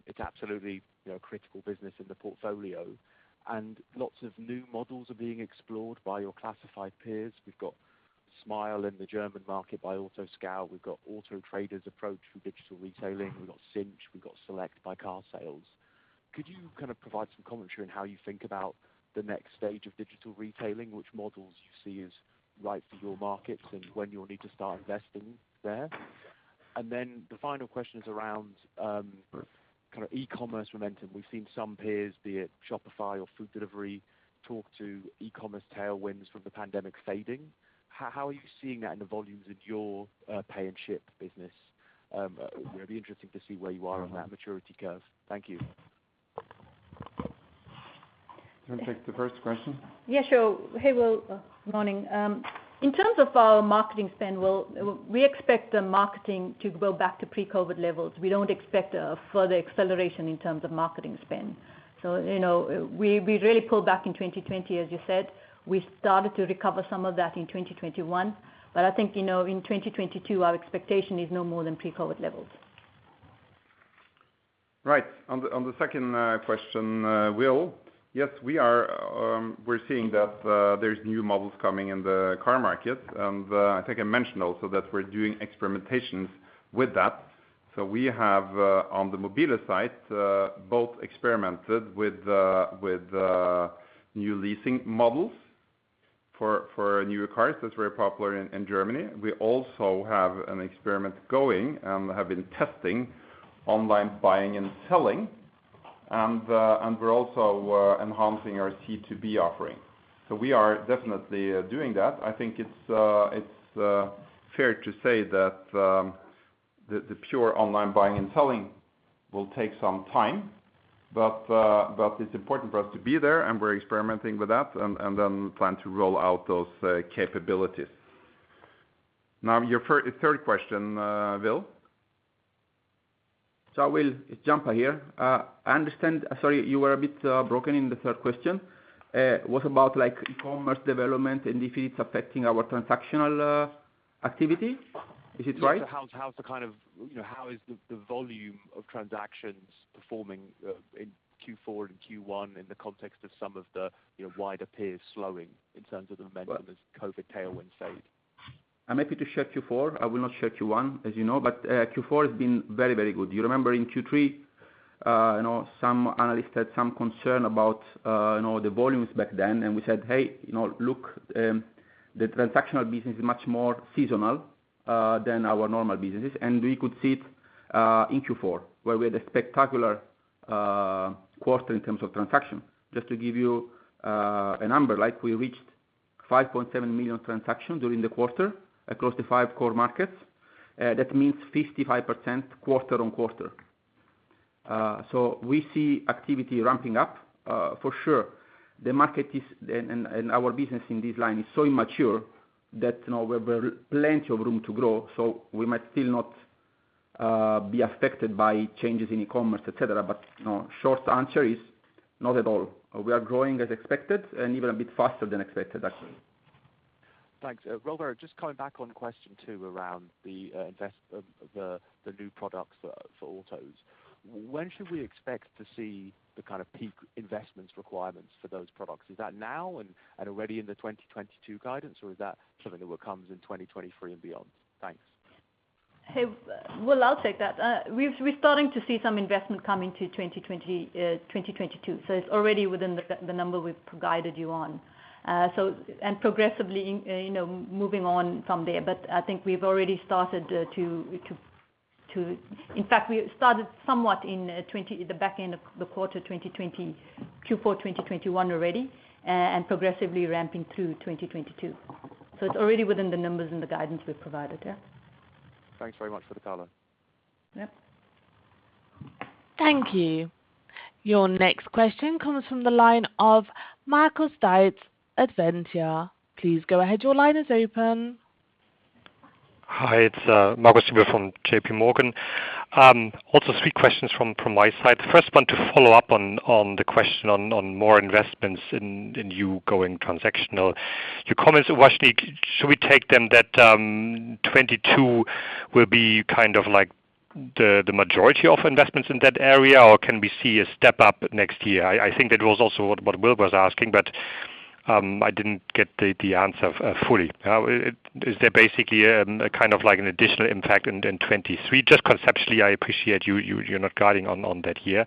It's absolutely, you know, critical business in the portfolio and lots of new models are being explored by your classified peers. We've got Smyle in the German market by AutoScout24, we've got Auto Trader's approach for digital retailing, we've got Cinch, we've got Select by Car Sales. Could you kind of provide some commentary on how you think about the next stage of digital retailing, which models you see as right for your markets, and when you'll need to start investing there? The final question is around, kind of e-commerce momentum. We've seen some peers, be it Shopify or food delivery, talk to e-commerce tailwinds from the pandemic fading. How are you seeing that in the volumes of your, pay and ship business? It'd be interesting to see where you are on that maturity curve. Thank you. Wanna take the first question? Yeah, sure. Hey, Will, morning. In terms of our marketing spend, Will, we expect the marketing to go back to pre-COVID levels. We don't expect a further acceleration in terms of marketing spend. So, you know, we really pulled back in 2020, as you said. We started to recover some of that in 2021. I think, you know, in 2022, our expectation is no more than pre-COVID levels. Right. On the second question, Will, yes, we're seeing that there's new models coming in the car market. I think I mentioned also that we're doing experimentations with that. We have on the mobile.de site both experimented with new leasing models for newer cars, that's very popular in Germany. We also have an experiment going, have been testing online buying and selling, and we're also enhancing our C2B offering. We are definitely doing that. I think it's fair to say that the pure online buying and selling will take some time, but it's important for us to be there, and we're experimenting with that, and then plan to roll out those capabilities. Now, your third question, Will. Will, it's Gianpaolo here. I understand. Sorry, you were a bit broken in the third question. What about, like, e-commerce development and if it's affecting our transactional activity, is it right? Yeah. How is the volume of transactions performing in Q4 and Q1 in the context of some of the, you know, wider peers slowing in terms of the momentum as COVID tailwind fades? I'm happy to share Q4. I will not share Q1, as you know. Q4 has been very, very good. You remember in Q3, you know, some analysts had some concern about, you know, the volumes back then, and we said, "Hey, you know, look, the transactional business is much more seasonal than our normal businesses." We could see it in Q4, where we had a spectacular quarter in terms of transaction. Just to give you a number, like, we reached 5.7 million transactions during the quarter across the five core markets. That means 55% quarter-on-quarter. So we see activity ramping-up for sure. The market is. Our business in this line is so immature that, you know, we've plenty of room to grow, so we might still not be affected by changes in e-commerce, etc. You know, short answer is, not at all. We are growing as expected, and even a bit faster than expected, actually. Thanks. Rolv Erik, just coming back on question two around the new products for autos. When should we expect to see the kind of peak investments requirements for those products? Is that now and already in the 2022 guidance, or is that something that will comes in 2023 and beyond? Thanks. Hey, Will, I'll take that. We're starting to see some investment come into 2022. It's already within the number we've guided you on. Progressively, you know, moving on from there. I think we've already started. In fact, we started somewhat in the back end of the quarter 2020, Q4 2021 already, and progressively ramping through 2022. It's already within the numbers and the guidance we've provided. Yeah. Thanks very much for the color. Yep. Thank you. Your next question comes from the line of Marcus Diebel, Adevinta. Please go ahead. Your line is open. Hi, it's Marcus Diebel from JPMorgan. Also three questions from my side. The first one to follow-up on the question on more investments in you going transactional. Your comments, Uvashni, shall we take them that 2022 will be kind of like the majority of investments in that area, or can we see a step up next year? I think that was also what Will was asking, but I didn't get the answer fully. Is there basically a kind of like an additional impact in 2023? Just conceptually, I appreciate you you're not guiding on that year.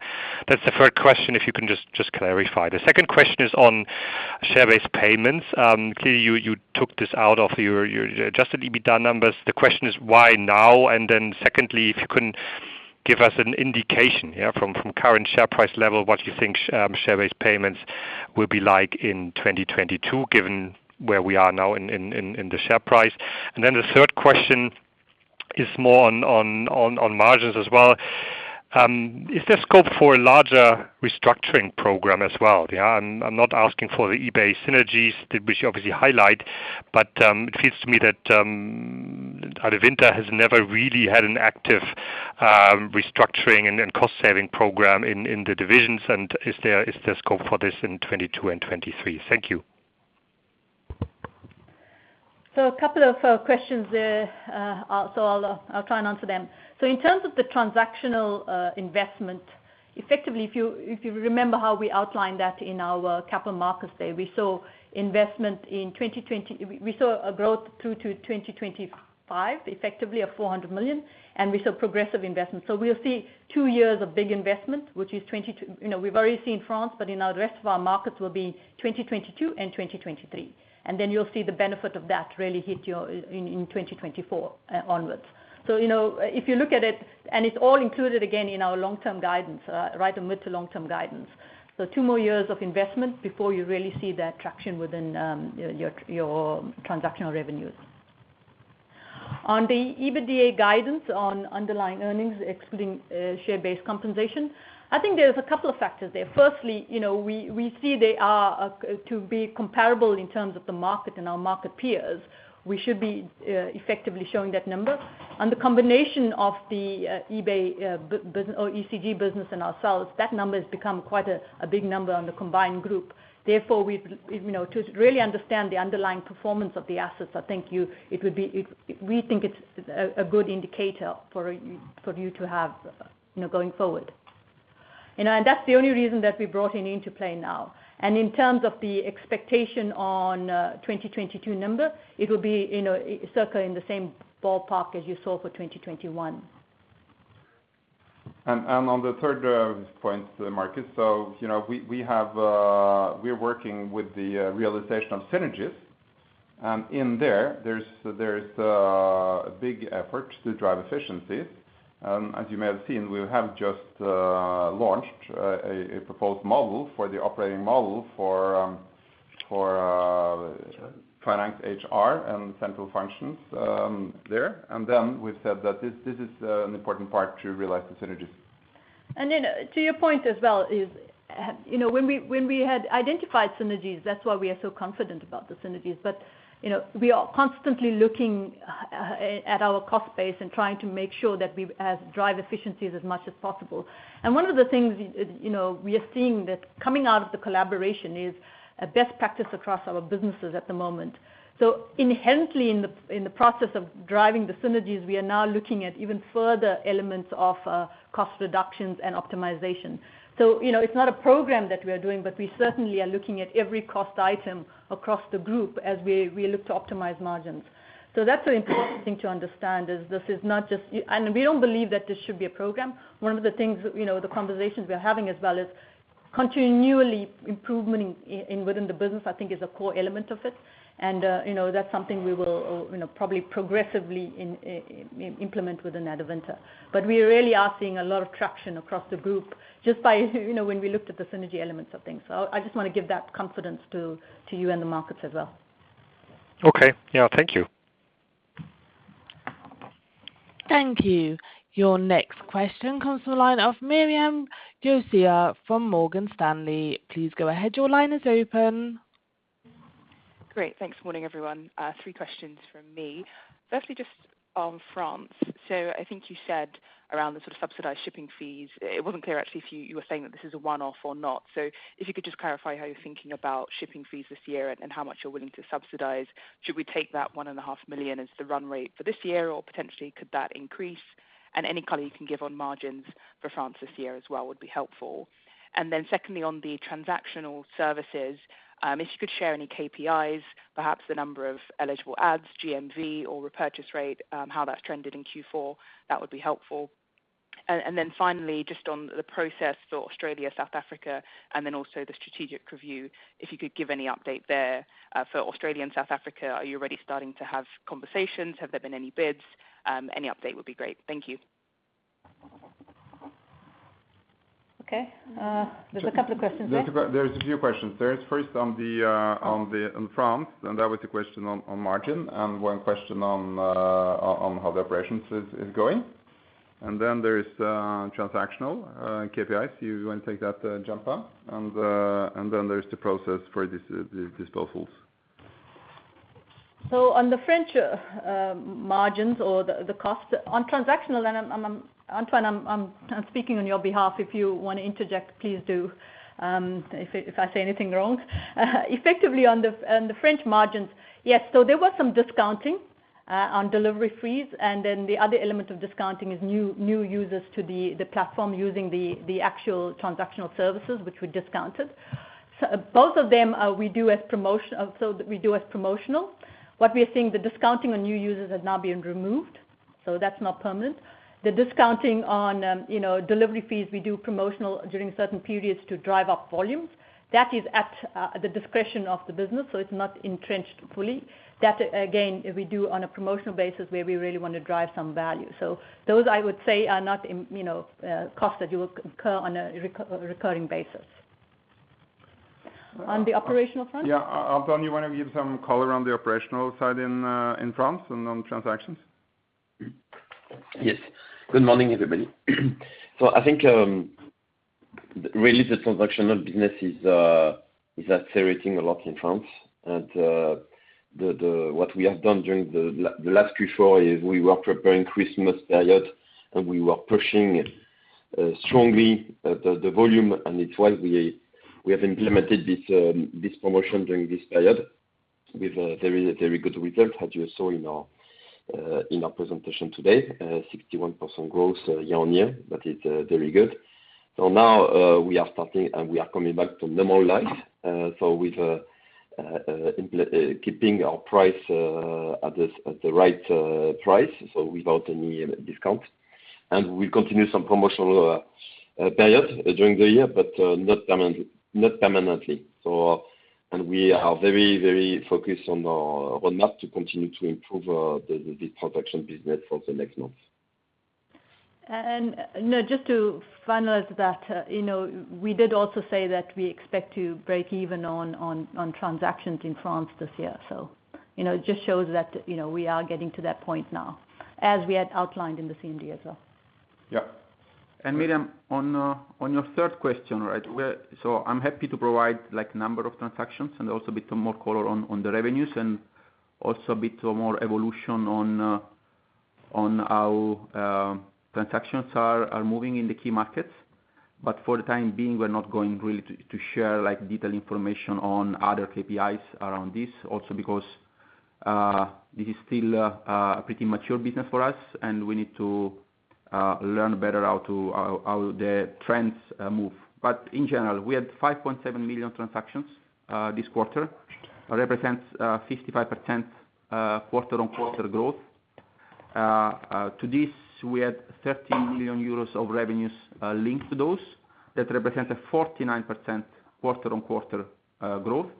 That's the first question, if you can just clarify. The second question is on share-based payments. Clearly you took this out of your adjusted EBITDA numbers. The question is why now? Secondly, if you can give us an indication, yeah, from current share price level, what you think share-based payments will be like in 2022, given where we are now in the share price. The third question is more on margins as well. Is there scope for a larger restructuring program as well, yeah? I'm not asking for the eBay synergies, which you obviously highlight, but it feels to me that Adevinta has never really had an active restructuring and cost-saving program in the divisions. Is there scope for this in 2022 and 2023? Thank you. A couple of questions there. I'll try and answer them. In terms of the transactional investment. Effectively, if you remember how we outlined that in our Capital Markets Day, we saw investment in 2020. We saw a growth through to 2025, effectively of 400 million, and we saw progressive investment. We'll see two years of big investment, which is, you know, we've already seen France, but in the rest of our markets will be 2022 and 2023. Then you'll see the benefit of that really hit in 2024 onwards. You know, if you look at it and it's all included again in our long-term guidance, right, and mid- to long-term guidance. Two more years of investment before you really see that traction within your transactional revenues. On the EBITDA guidance on underlying earnings, excluding share-based compensation, I think there's a couple of factors there. Firstly, you know, we see they are to be comparable in terms of the market and our market peers. We should be effectively showing that number. The combination of the eBay business or ECG business and ourselves, that number has become quite a big number on the combined group. Therefore, we've you know, to really understand the underlying performance of the assets, I think you it would be we think it's a good indicator for you to have, you know, going forward. You know, that's the only reason that we brought in into play now. In terms of the expectation on 2022 number, it'll be, you know, circling the same ballpark as you saw for 2021. On the third point, Marcus, you know, we're working with the realization of synergies. In there's a big effort to drive efficiencies. As you may have seen, we have just launched a proposed model for the operating model for finance, HR, and central functions there. Then we've said that this is an important part to realize the synergies. To your point as well, you know, when we had identified synergies, that's why we are so confident about the synergies. You know, we are constantly looking at our cost base and trying to make sure that we drive efficiencies as much as possible. One of the things, you know, we are seeing that coming out of the collaboration is a best practice across our businesses at the moment. Inherently in the process of driving the synergies, we are now looking at even further elements of cost reductions and optimization. You know, it's not a program that we are doing, but we certainly are looking at every cost item across the group as we look to optimize margins. That's an important thing to understand, this is not just, we don't believe that this should be a program. One of the things, you know, the conversations we are having as well is continuous improvement within the business, I think is a core element of it. You know, that's something we will, you know, probably progressively implement within Adevinta. But we really are seeing a lot of traction across the group just by, you know, when we looked at the synergy elements of things. I just wanna give that confidence to you and the markets as well. Okay. Yeah. Thank you. Your next question comes from the line of Miriam Josiah from Morgan Stanley. Please go ahead. Your line is open. Great. Thanks. Morning, everyone. Three questions from me. Firstly, just on France. I think you said around the sort of subsidized shipping fees, it wasn't clear actually if you were saying that this is a one-off or not. If you could just clarify how you're thinking about shipping fees this year and how much you're willing to subsidize. Should we take that 1.5 million as the run-rate for this year, or potentially could that increase? Any color you can give on margins for France this year as well would be helpful. Secondly, on the transactional services, if you could share any KPIs, perhaps the number of eligible ads, GMV or repurchase rate, how that's trended in Q4, that would be helpful. Finally, just on the process for Australia, South Africa, and then also the strategic review, if you could give any update there, for Australia and South Africa, are you already starting to have conversations? Have there been any bids? Any update would be great. Thank you. Okay. There's a couple of questions there. There's a few questions. There's first on France, and that was a question on margin and one question on how the operations is going. Then there is transactional KPIs. You want to take that, Gianpaolo? Then there's the process for disposals. On the French margins or the cost on transactional, and I'm Antoine, I'm speaking on your behalf. If you want to interject, please do, if I say anything wrong. Effectively on the French margins, yes, there was some discounting on delivery fees, and then the other element of discounting is new users to the platform using the actual transactional services which we discounted. Both of them, we do as promotional. What we are seeing, the discounting on new users has now been removed, so that's not permanent. The discounting on, you know, delivery fees, we do promotional during certain periods to drive up volumes. That is at the discretion of the business, so it's not entrenched fully. That, again, we do on a promotional basis where we really wanna drive some value. So those, I would say, are not, you know, costs that you will incur on a recurring basis. On the operational front? Yeah. Antoine, you wanna give some color on the operational side in France and on transactions? Yes. Good morning, everybody. I think really the transactional business is accelerating a lot in France. What we have done during the last Q4 is we were preparing Christmas period, and we were pushing strongly the volume. It's why we have implemented this promotion during this period. With a very, very good result, as you saw in our presentation today. 61% growth year-on-year, that is very good. Now we are starting and we are coming back to normal life, so with keeping our price at the right price, so without any discount. We continue some promotional period during the year, but not permanently. We are very, very focused on that to continue to improve the transaction business for the next months. You know, just to finalize that, you know, we did also say that we expect to break-even on transactions in France this year. You know, it just shows that, you know, we are getting to that point now, as we had outlined in the CMD as well. Yeah. Miriam, on your third question, I'm happy to provide, like, number of transactions and also a bit more color on the revenues, and also a bit more evolution on how our transactions are moving in the key markets. For the time being, we're not going really to share, like, detailed information on other KPIs around this. Because this is still a pretty mature business for us, and we need to learn better how the trends move. In general, we had 5.7 million transactions this quarter. Represents 55% quarter-on-quarter growth. To this, we had 30 million euros of revenues linked to those. That represent a 49% quarter-on-quarter growth.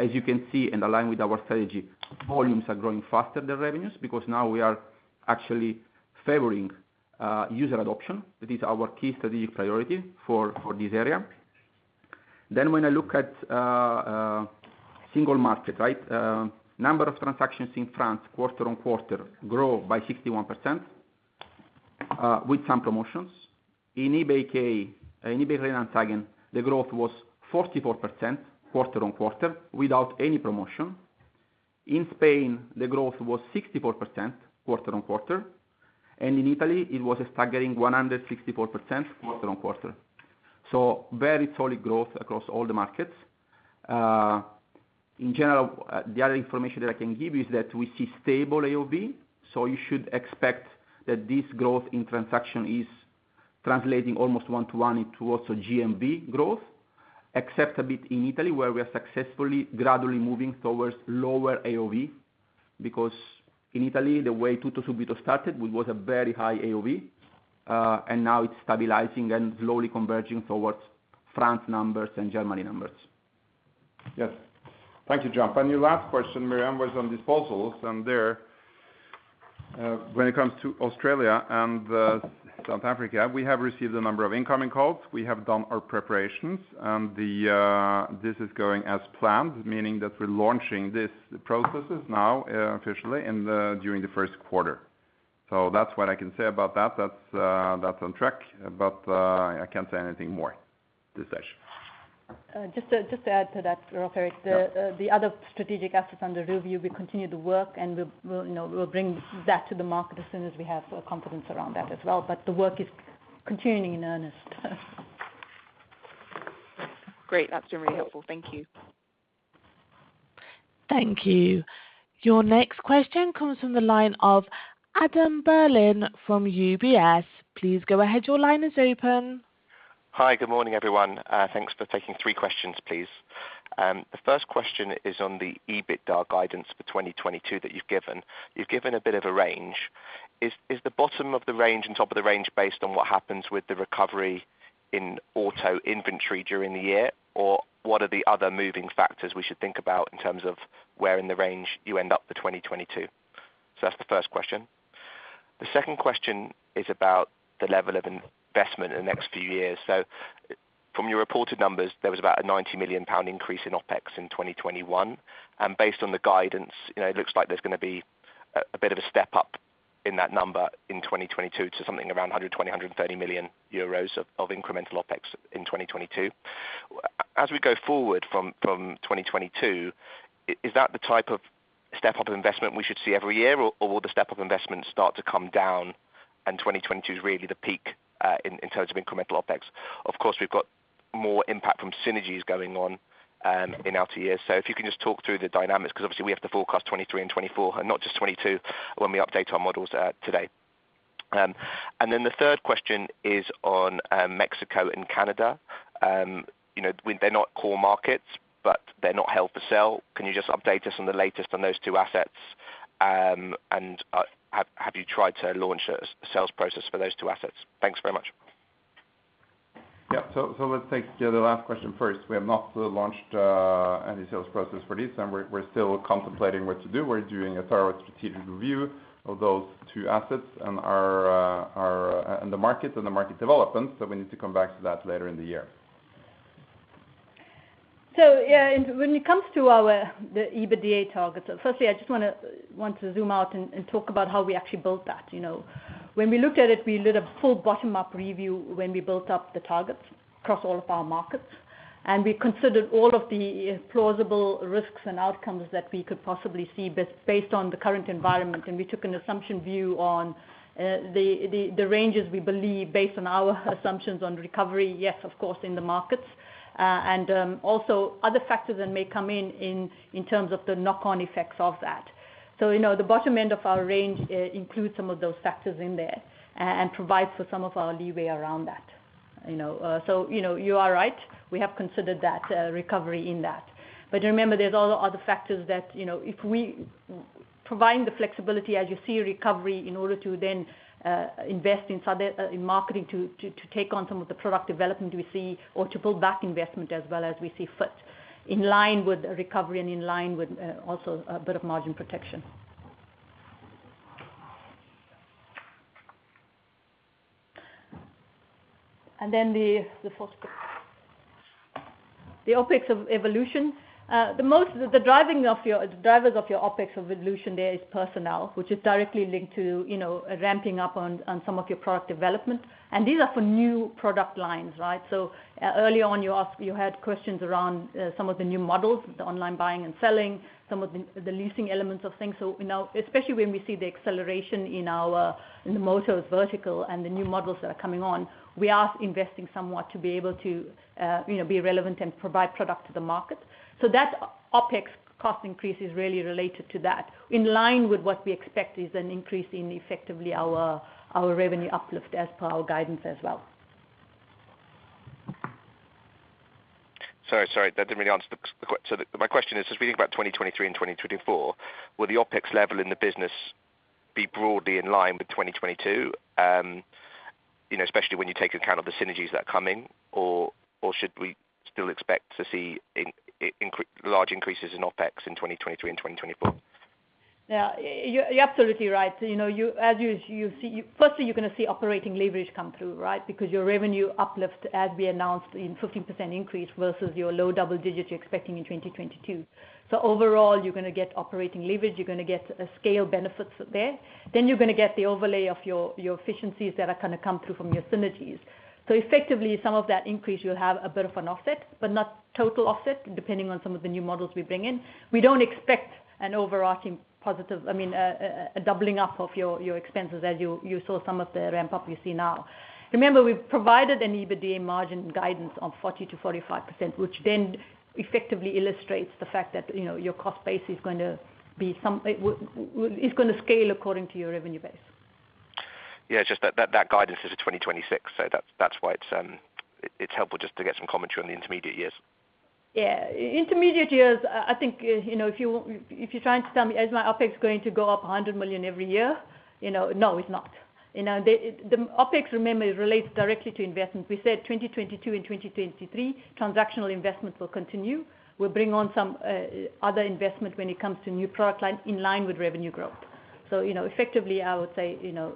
As you can see, in line with our strategy, volumes are growing faster than revenues because now we are actually favoring user adoption. That is our key strategic priority for this area. When I look at single market, number of transactions in France quarter-on-quarter grow by 61% with some promotions. In eBay Kleinanzeigen, the growth was 44% quarter-on-quarter without any promotion. In Spain, the growth was 64% quarter-on-quarter, and in Italy it was a staggering 164% quarter-on-quarter. Very solid growth across all the markets. In general, the other information that I can give you is that we see stable AOV, so you should expect that this growth in transaction is translating almost 1:1 into also GMV growth, except a bit in Italy, where we are successfully gradually moving towards lower AOV. Because in Italy, the way TuttoSubito started, it was a very high AOV, and now it's stabilizing and slowly converging towards France numbers and Germany numbers. Yes. Thank you, Gian. Your last question, Miriam, was on disposals. There, when it comes to Australia and South Africa, we have received a number of incoming calls. We have done our preparations. This is going as planned, meaning that we're launching these processes now officially during the first quarter. That's what I can say about that. That's on track. I can't say anything more this session. Just to add to that, the other strategic assets under review, we continue to work and we'll, you know, we'll bring that to the market as soon as we have confidence around that as well. The work is continuing in earnest. Great. That's been really helpful. Thank you. Thank you. Your next question comes from the line of Adam Berlin from UBS. Please go ahead. Your line is open. Hi. Good morning, everyone. Thanks for taking three questions, please. The first question is on the EBITDA guidance for 2022 that you've given. You've given a bit of a range. Is the bottom of the range and top of the range based on what happens with the recovery in auto inventory during the year? Or what are the other moving factors we should think about in terms of where in the range you end up for 2022? That's the first question. The second question is about the level of investment in the next few years. From your reported numbers, there was about a 90 million pound increase in OpEx in 2021. Based on the guidance, you know, it looks like there's gonna be a bit of a step up in that number in 2022 to something around 120 million euros to 130 million euros of incremental OpEx in 2022. As we go forward from 2022, is that the type of step-up investment we should see every year or will the step-up investment start to come down, and 2022 is really the peak in terms of incremental OpEx? Of course, we've got more impact from synergies going on in outer years. If you can just talk through the dynamics, 'cause obviously we have to forecast 2023 and 2024, and not just 2022 when we update our models today. And then the third question is on Mexico and Canada. You know, they're not core markets, but they're not held for sale. Can you just update us on the latest on those two assets? Have you tried to launch a sales process for those two assets? Thanks very much. Let's take the last question first. We have not launched any sales process for this, and we're still contemplating what to do. We're doing a thorough strategic review of those two assets and the markets and the market development. We need to come back to that later in the year. When it comes to our EBITDA targets, firstly, I just want to zoom out and talk about how we actually built that, you know? When we looked at it, we did a full bottom-up review when we built up the targets across all of our markets, and we considered all of the plausible risks and outcomes that we could possibly see based on the current environment. We took an assumption view on the ranges we believe based on our assumptions on recovery, yes, of course, in the markets. Also other factors that may come in in terms of the knock-on effects of that. You know, the bottom end of our range, it includes some of those factors in there and provides for some of our leeway around that, you know. You know, you are right, we have considered that recovery in that. But remember there's all other factors that, you know, if we providing the flexibility as you see recovery in order to then invest in some of them in marketing to take on some of the product development we see or to pull back investment as we see fit in line with the recovery and in line with also a bit of margin protection. Then the fourth bit. The OpEx evolution. The drivers of your OpEx evolution there is personnel, which is directly linked to, you know, ramping-up on some of your product development. These are for new product lines, right? Earlier on you asked you had questions around some of the new models, the online buying and selling, some of the leasing elements of things. Now especially when we see the acceleration in our motors vertical and the new models that are coming on, we are investing somewhat to be able to you know be relevant and provide product to the market. That's OpEx cost increase is really related to that. In line with what we expect is an increase in effectively our revenue uplift as per our guidance as well. Sorry, that didn't really answer. My question is, as we think about 2023 and 2024, will the OpEx level in the business be broadly in line with 2022, you know, especially when you take account of the synergies that are coming? Or should we still expect to see large increases in OpEx in 2023 and 2024? Yeah. You're absolutely right. You know, as you see. Firstly, you're gonna see operating leverage come through, right? Because your revenue uplift as we announced in 15% increase versus your low-double-digits you're expecting in 2022. Overall, you're gonna get operating leverage, you're gonna get a scale benefits there. Then you're gonna get the overlay of your efficiencies that are gonna come through from your synergies. Effectively, some of that increase you'll have a bit of an offset, but not total offset, depending on some of the new models we bring in. We don't expect an overarching positive. I mean, a doubling up of your expenses as you saw some of the ramp-up you see now. Remember, we've provided an EBITDA margin guidance of 40%-45%, which then effectively illustrates the fact that, you know, your cost base is going to scale according to your revenue base. Yeah, just that guidance is to 2026, so that's why it's helpful just to get some commentary on the intermediate years. Yeah. Intermediate years, I think, you know, if you're trying to tell me, is my OpEx going to go up 100 million every year, you know, no, it's not. You know, the OpEx, remember, relates directly to investments. We said 2022 and 2023, transactional investments will continue. We'll bring on some other investment when it comes to new product line in line with revenue growth. You know, effectively, I would say, you know,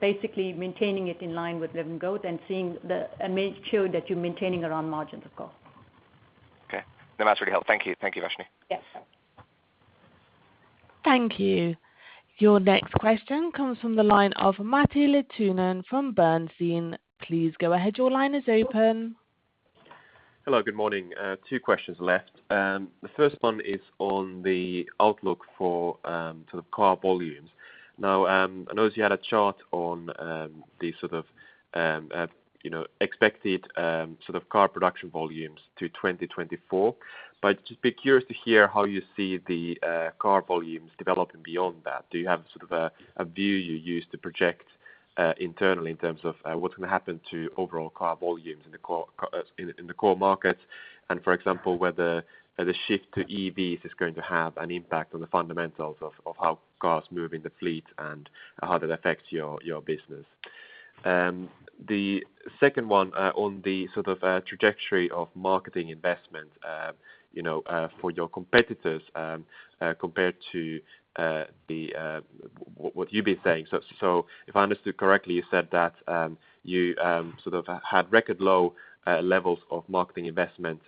basically maintaining it in line with revenue growth. Make sure that you're maintaining our margins, of course. Okay. No, that's really helpful. Thank you. Thank you, Uvashni. Yes. Thank you. Your next question comes from the line of Matti Littunen from Bernstein. Please go ahead, your line is open. Hello, good morning. Two questions left. The first one is on the outlook for, to car volumes. Now, I noticed you had a chart on the sort of you know expected sort of car production volumes to 2024. Just be curious to hear how you see the car volumes developing beyond that. Do you have sort of a view you use to project internally in terms of what's gonna happen to overall car volumes in the core markets? And for example, whether the shift to EVs is going to have an impact on the fundamentals of how cars move in the fleet and how that affects your business. The second one on the sort of trajectory of marketing investment, you know, for your competitors compared to what you've been saying. If I understood correctly, you said that you sort of had record low levels of marketing investment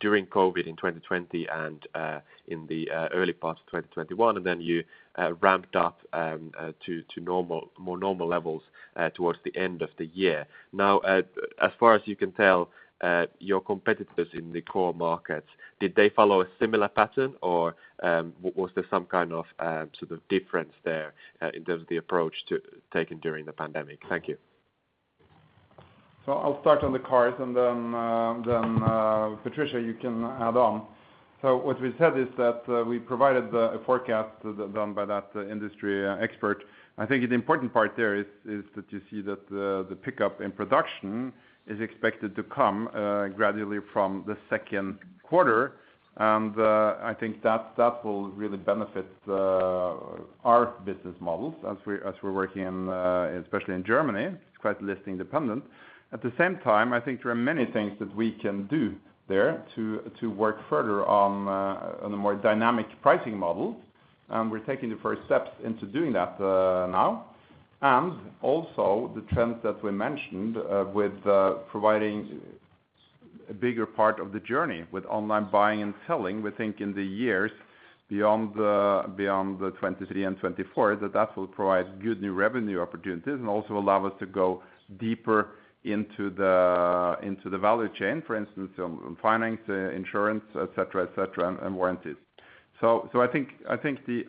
during COVID in 2020 and in the early part of 2021, and then you ramped-up to normal, more normal levels towards the end of the year. As far as you can tell, your competitors in the core markets, did they follow a similar pattern? Or was there some kind of sort of difference there in terms of the approach taken during the pandemic? Thank you. I'll start on the cars and then, Patricia, you can add on. What we said is that we provided the forecast done by that industry expert. I think the important part there is that you see that the pickup in production is expected to come gradually from the second quarter. I think that will really benefit our business models as we're working in especially in Germany, it's quite listing dependent. At the same time, I think there are many things that we can do there to work further on a more dynamic pricing model. We're taking the first steps into doing that now. Also the trends that we mentioned with providing a bigger part of the journey with online buying and selling. We think in the years beyond 2023 and 2024, that will provide good new revenue opportunities and also allow us to go deeper into the value chain, for instance, finance, insurance, etc, and warranties. I think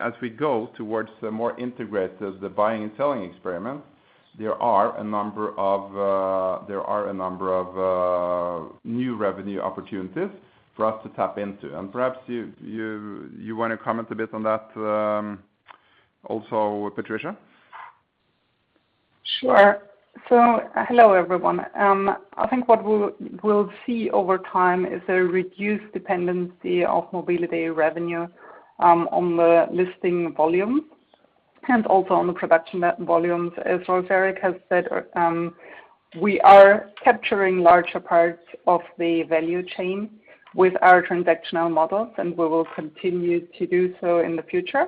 as we go towards the more integrated buying and selling experience, there are a number of new revenue opportunities for us to tap into. Perhaps you wanna comment a bit on that, also Patricia? Sure. Hello everyone. I think what we'll see over time is a reduced dependency of mobility revenue on the listing volume and also on the production volumes. As Rolv Erik has said, we are capturing larger parts of the value chain with our transactional models, and we will continue to do so in the future.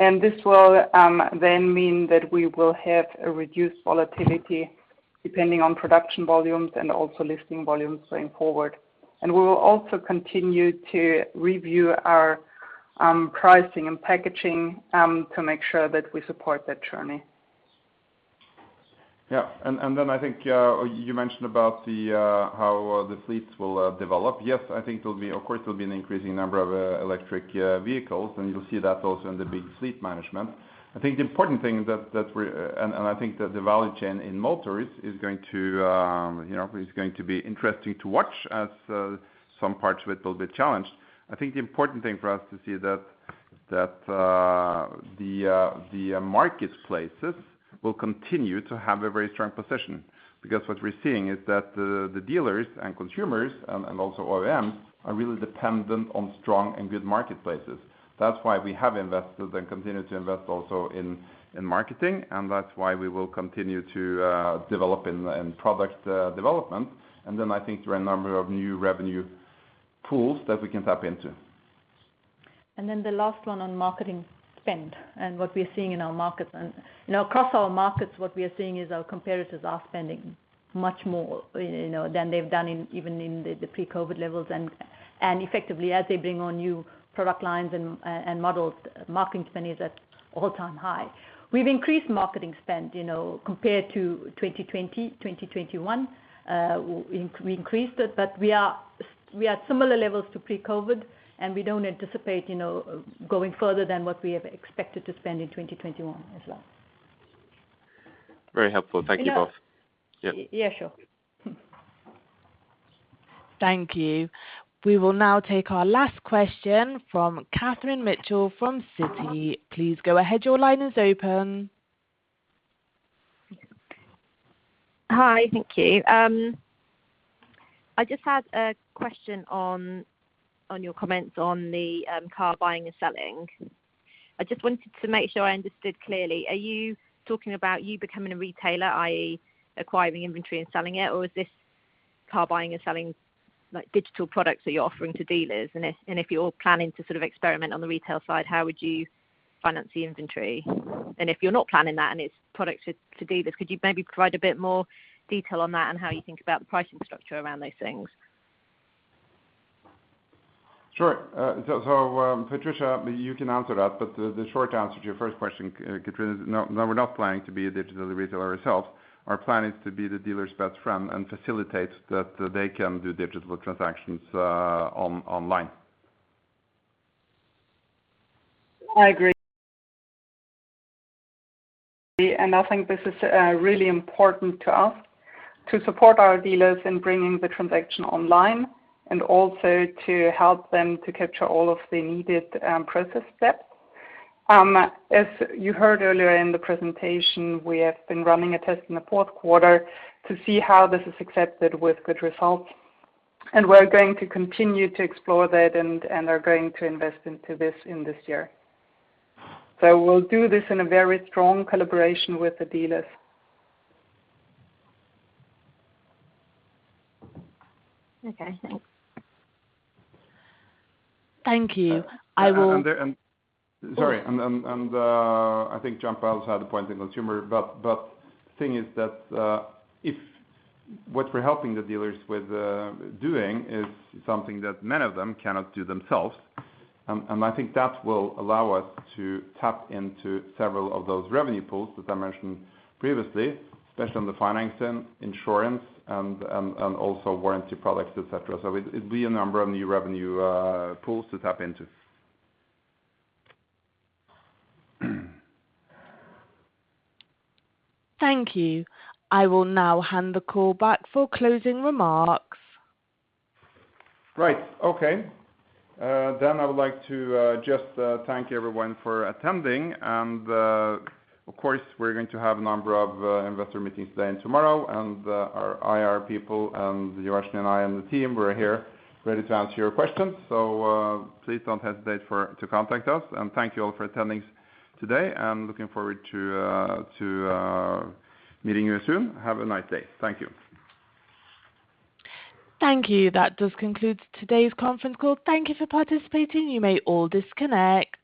This will then mean that we will have a reduced volatility depending on production volumes and also listing volumes going forward. We will also continue to review our pricing and packaging to make sure that we support that journey. I think you mentioned about how the fleets will develop. I think it'll be, of course there'll be an increasing number of electric vehicles, and you'll see that also in the big fleet management. I think the important thing that we're and I think that the value chain in motors is going to, you know, is going to be interesting to watch as some parts of it will be challenged. I think the important thing for us to see that the marketplaces will continue to have a very strong position. Because what we're seeing is that the dealers and consumers and also OEMs are really dependent on strong and good marketplaces. That's why we have invested and continue to invest also in marketing, and that's why we will continue to develop in product development. I think there are a number of new revenue pools that we can tap into. Then the last one on marketing spend and what we're seeing in our markets. You know, across our markets what we are seeing is our competitors are spending much more, you know, than they've done in even in the pre-COVID levels. Effectively, as they bring on new product lines and models, marketing spend is at all-time high. We've increased marketing spend, you know. Compared to 2020, 2021, we increased it, but we are at similar levels to pre-COVID, and we don't anticipate, you know, going further than what we have expected to spend in 2021 as well. Very helpful. Thank you both. Can I? Yep. Yeah, sure. Thank you. We will now take our last question from Catherine O'Neill from Citi. Please go ahead. Your line is open. Hi. Thank you. I just had a question on your comments on the car buying and selling. I just wanted to make sure I understood clearly. Are you talking about you becoming a retailer, i.e., acquiring inventory and selling it, or is this car buying and selling like digital products that you're offering to dealers? And if you're planning to sort of experiment on the retail side, how would you finance the inventory? And if you're not planning that and it's product to dealers, could you maybe provide a bit more detail on that and how you think about the pricing structure around those things? Sure. Patricia, you can answer that, but the short answer to your first question, Catherine, is no. We're not planning to be a digital retailer ourselves. Our plan is to be the dealer's best friend and facilitate that they can do digital transactions online. I agree. I think this is really important to us to support our dealers in bringing the transaction online and also to help them to capture all of the needed process steps. As you heard earlier in the presentation, we have been running a test in the fourth quarter to see how this is accepted with good results. We're going to continue to explore that and are going to invest into this in this year. We'll do this in a very strong collaboration with the dealers. Okay, thanks. Thank you. I think Gianpaolo had a point in consumer, but thing is that if what we're helping the dealers with doing is something that many of them cannot do themselves, and I think that will allow us to tap into several of those revenue pools that I mentioned previously, especially on the financing, insurance and also warranty products, etc. It'll be a number of new revenue pools to tap into. Thank you. I will now hand the call back for closing remarks. I would like to just thank everyone for attending. Of course, we're going to have a number of investor meetings today and tomorrow, and our IR people and Uvashni and I and the team, we're here ready to answer your questions. Please don't hesitate to contact us. Thank you all for attending today and looking forward to meeting you soon. Have a nice day. Thank you. Thank you. That does conclude today's conference call. Thank you for participating. You may all disconnect.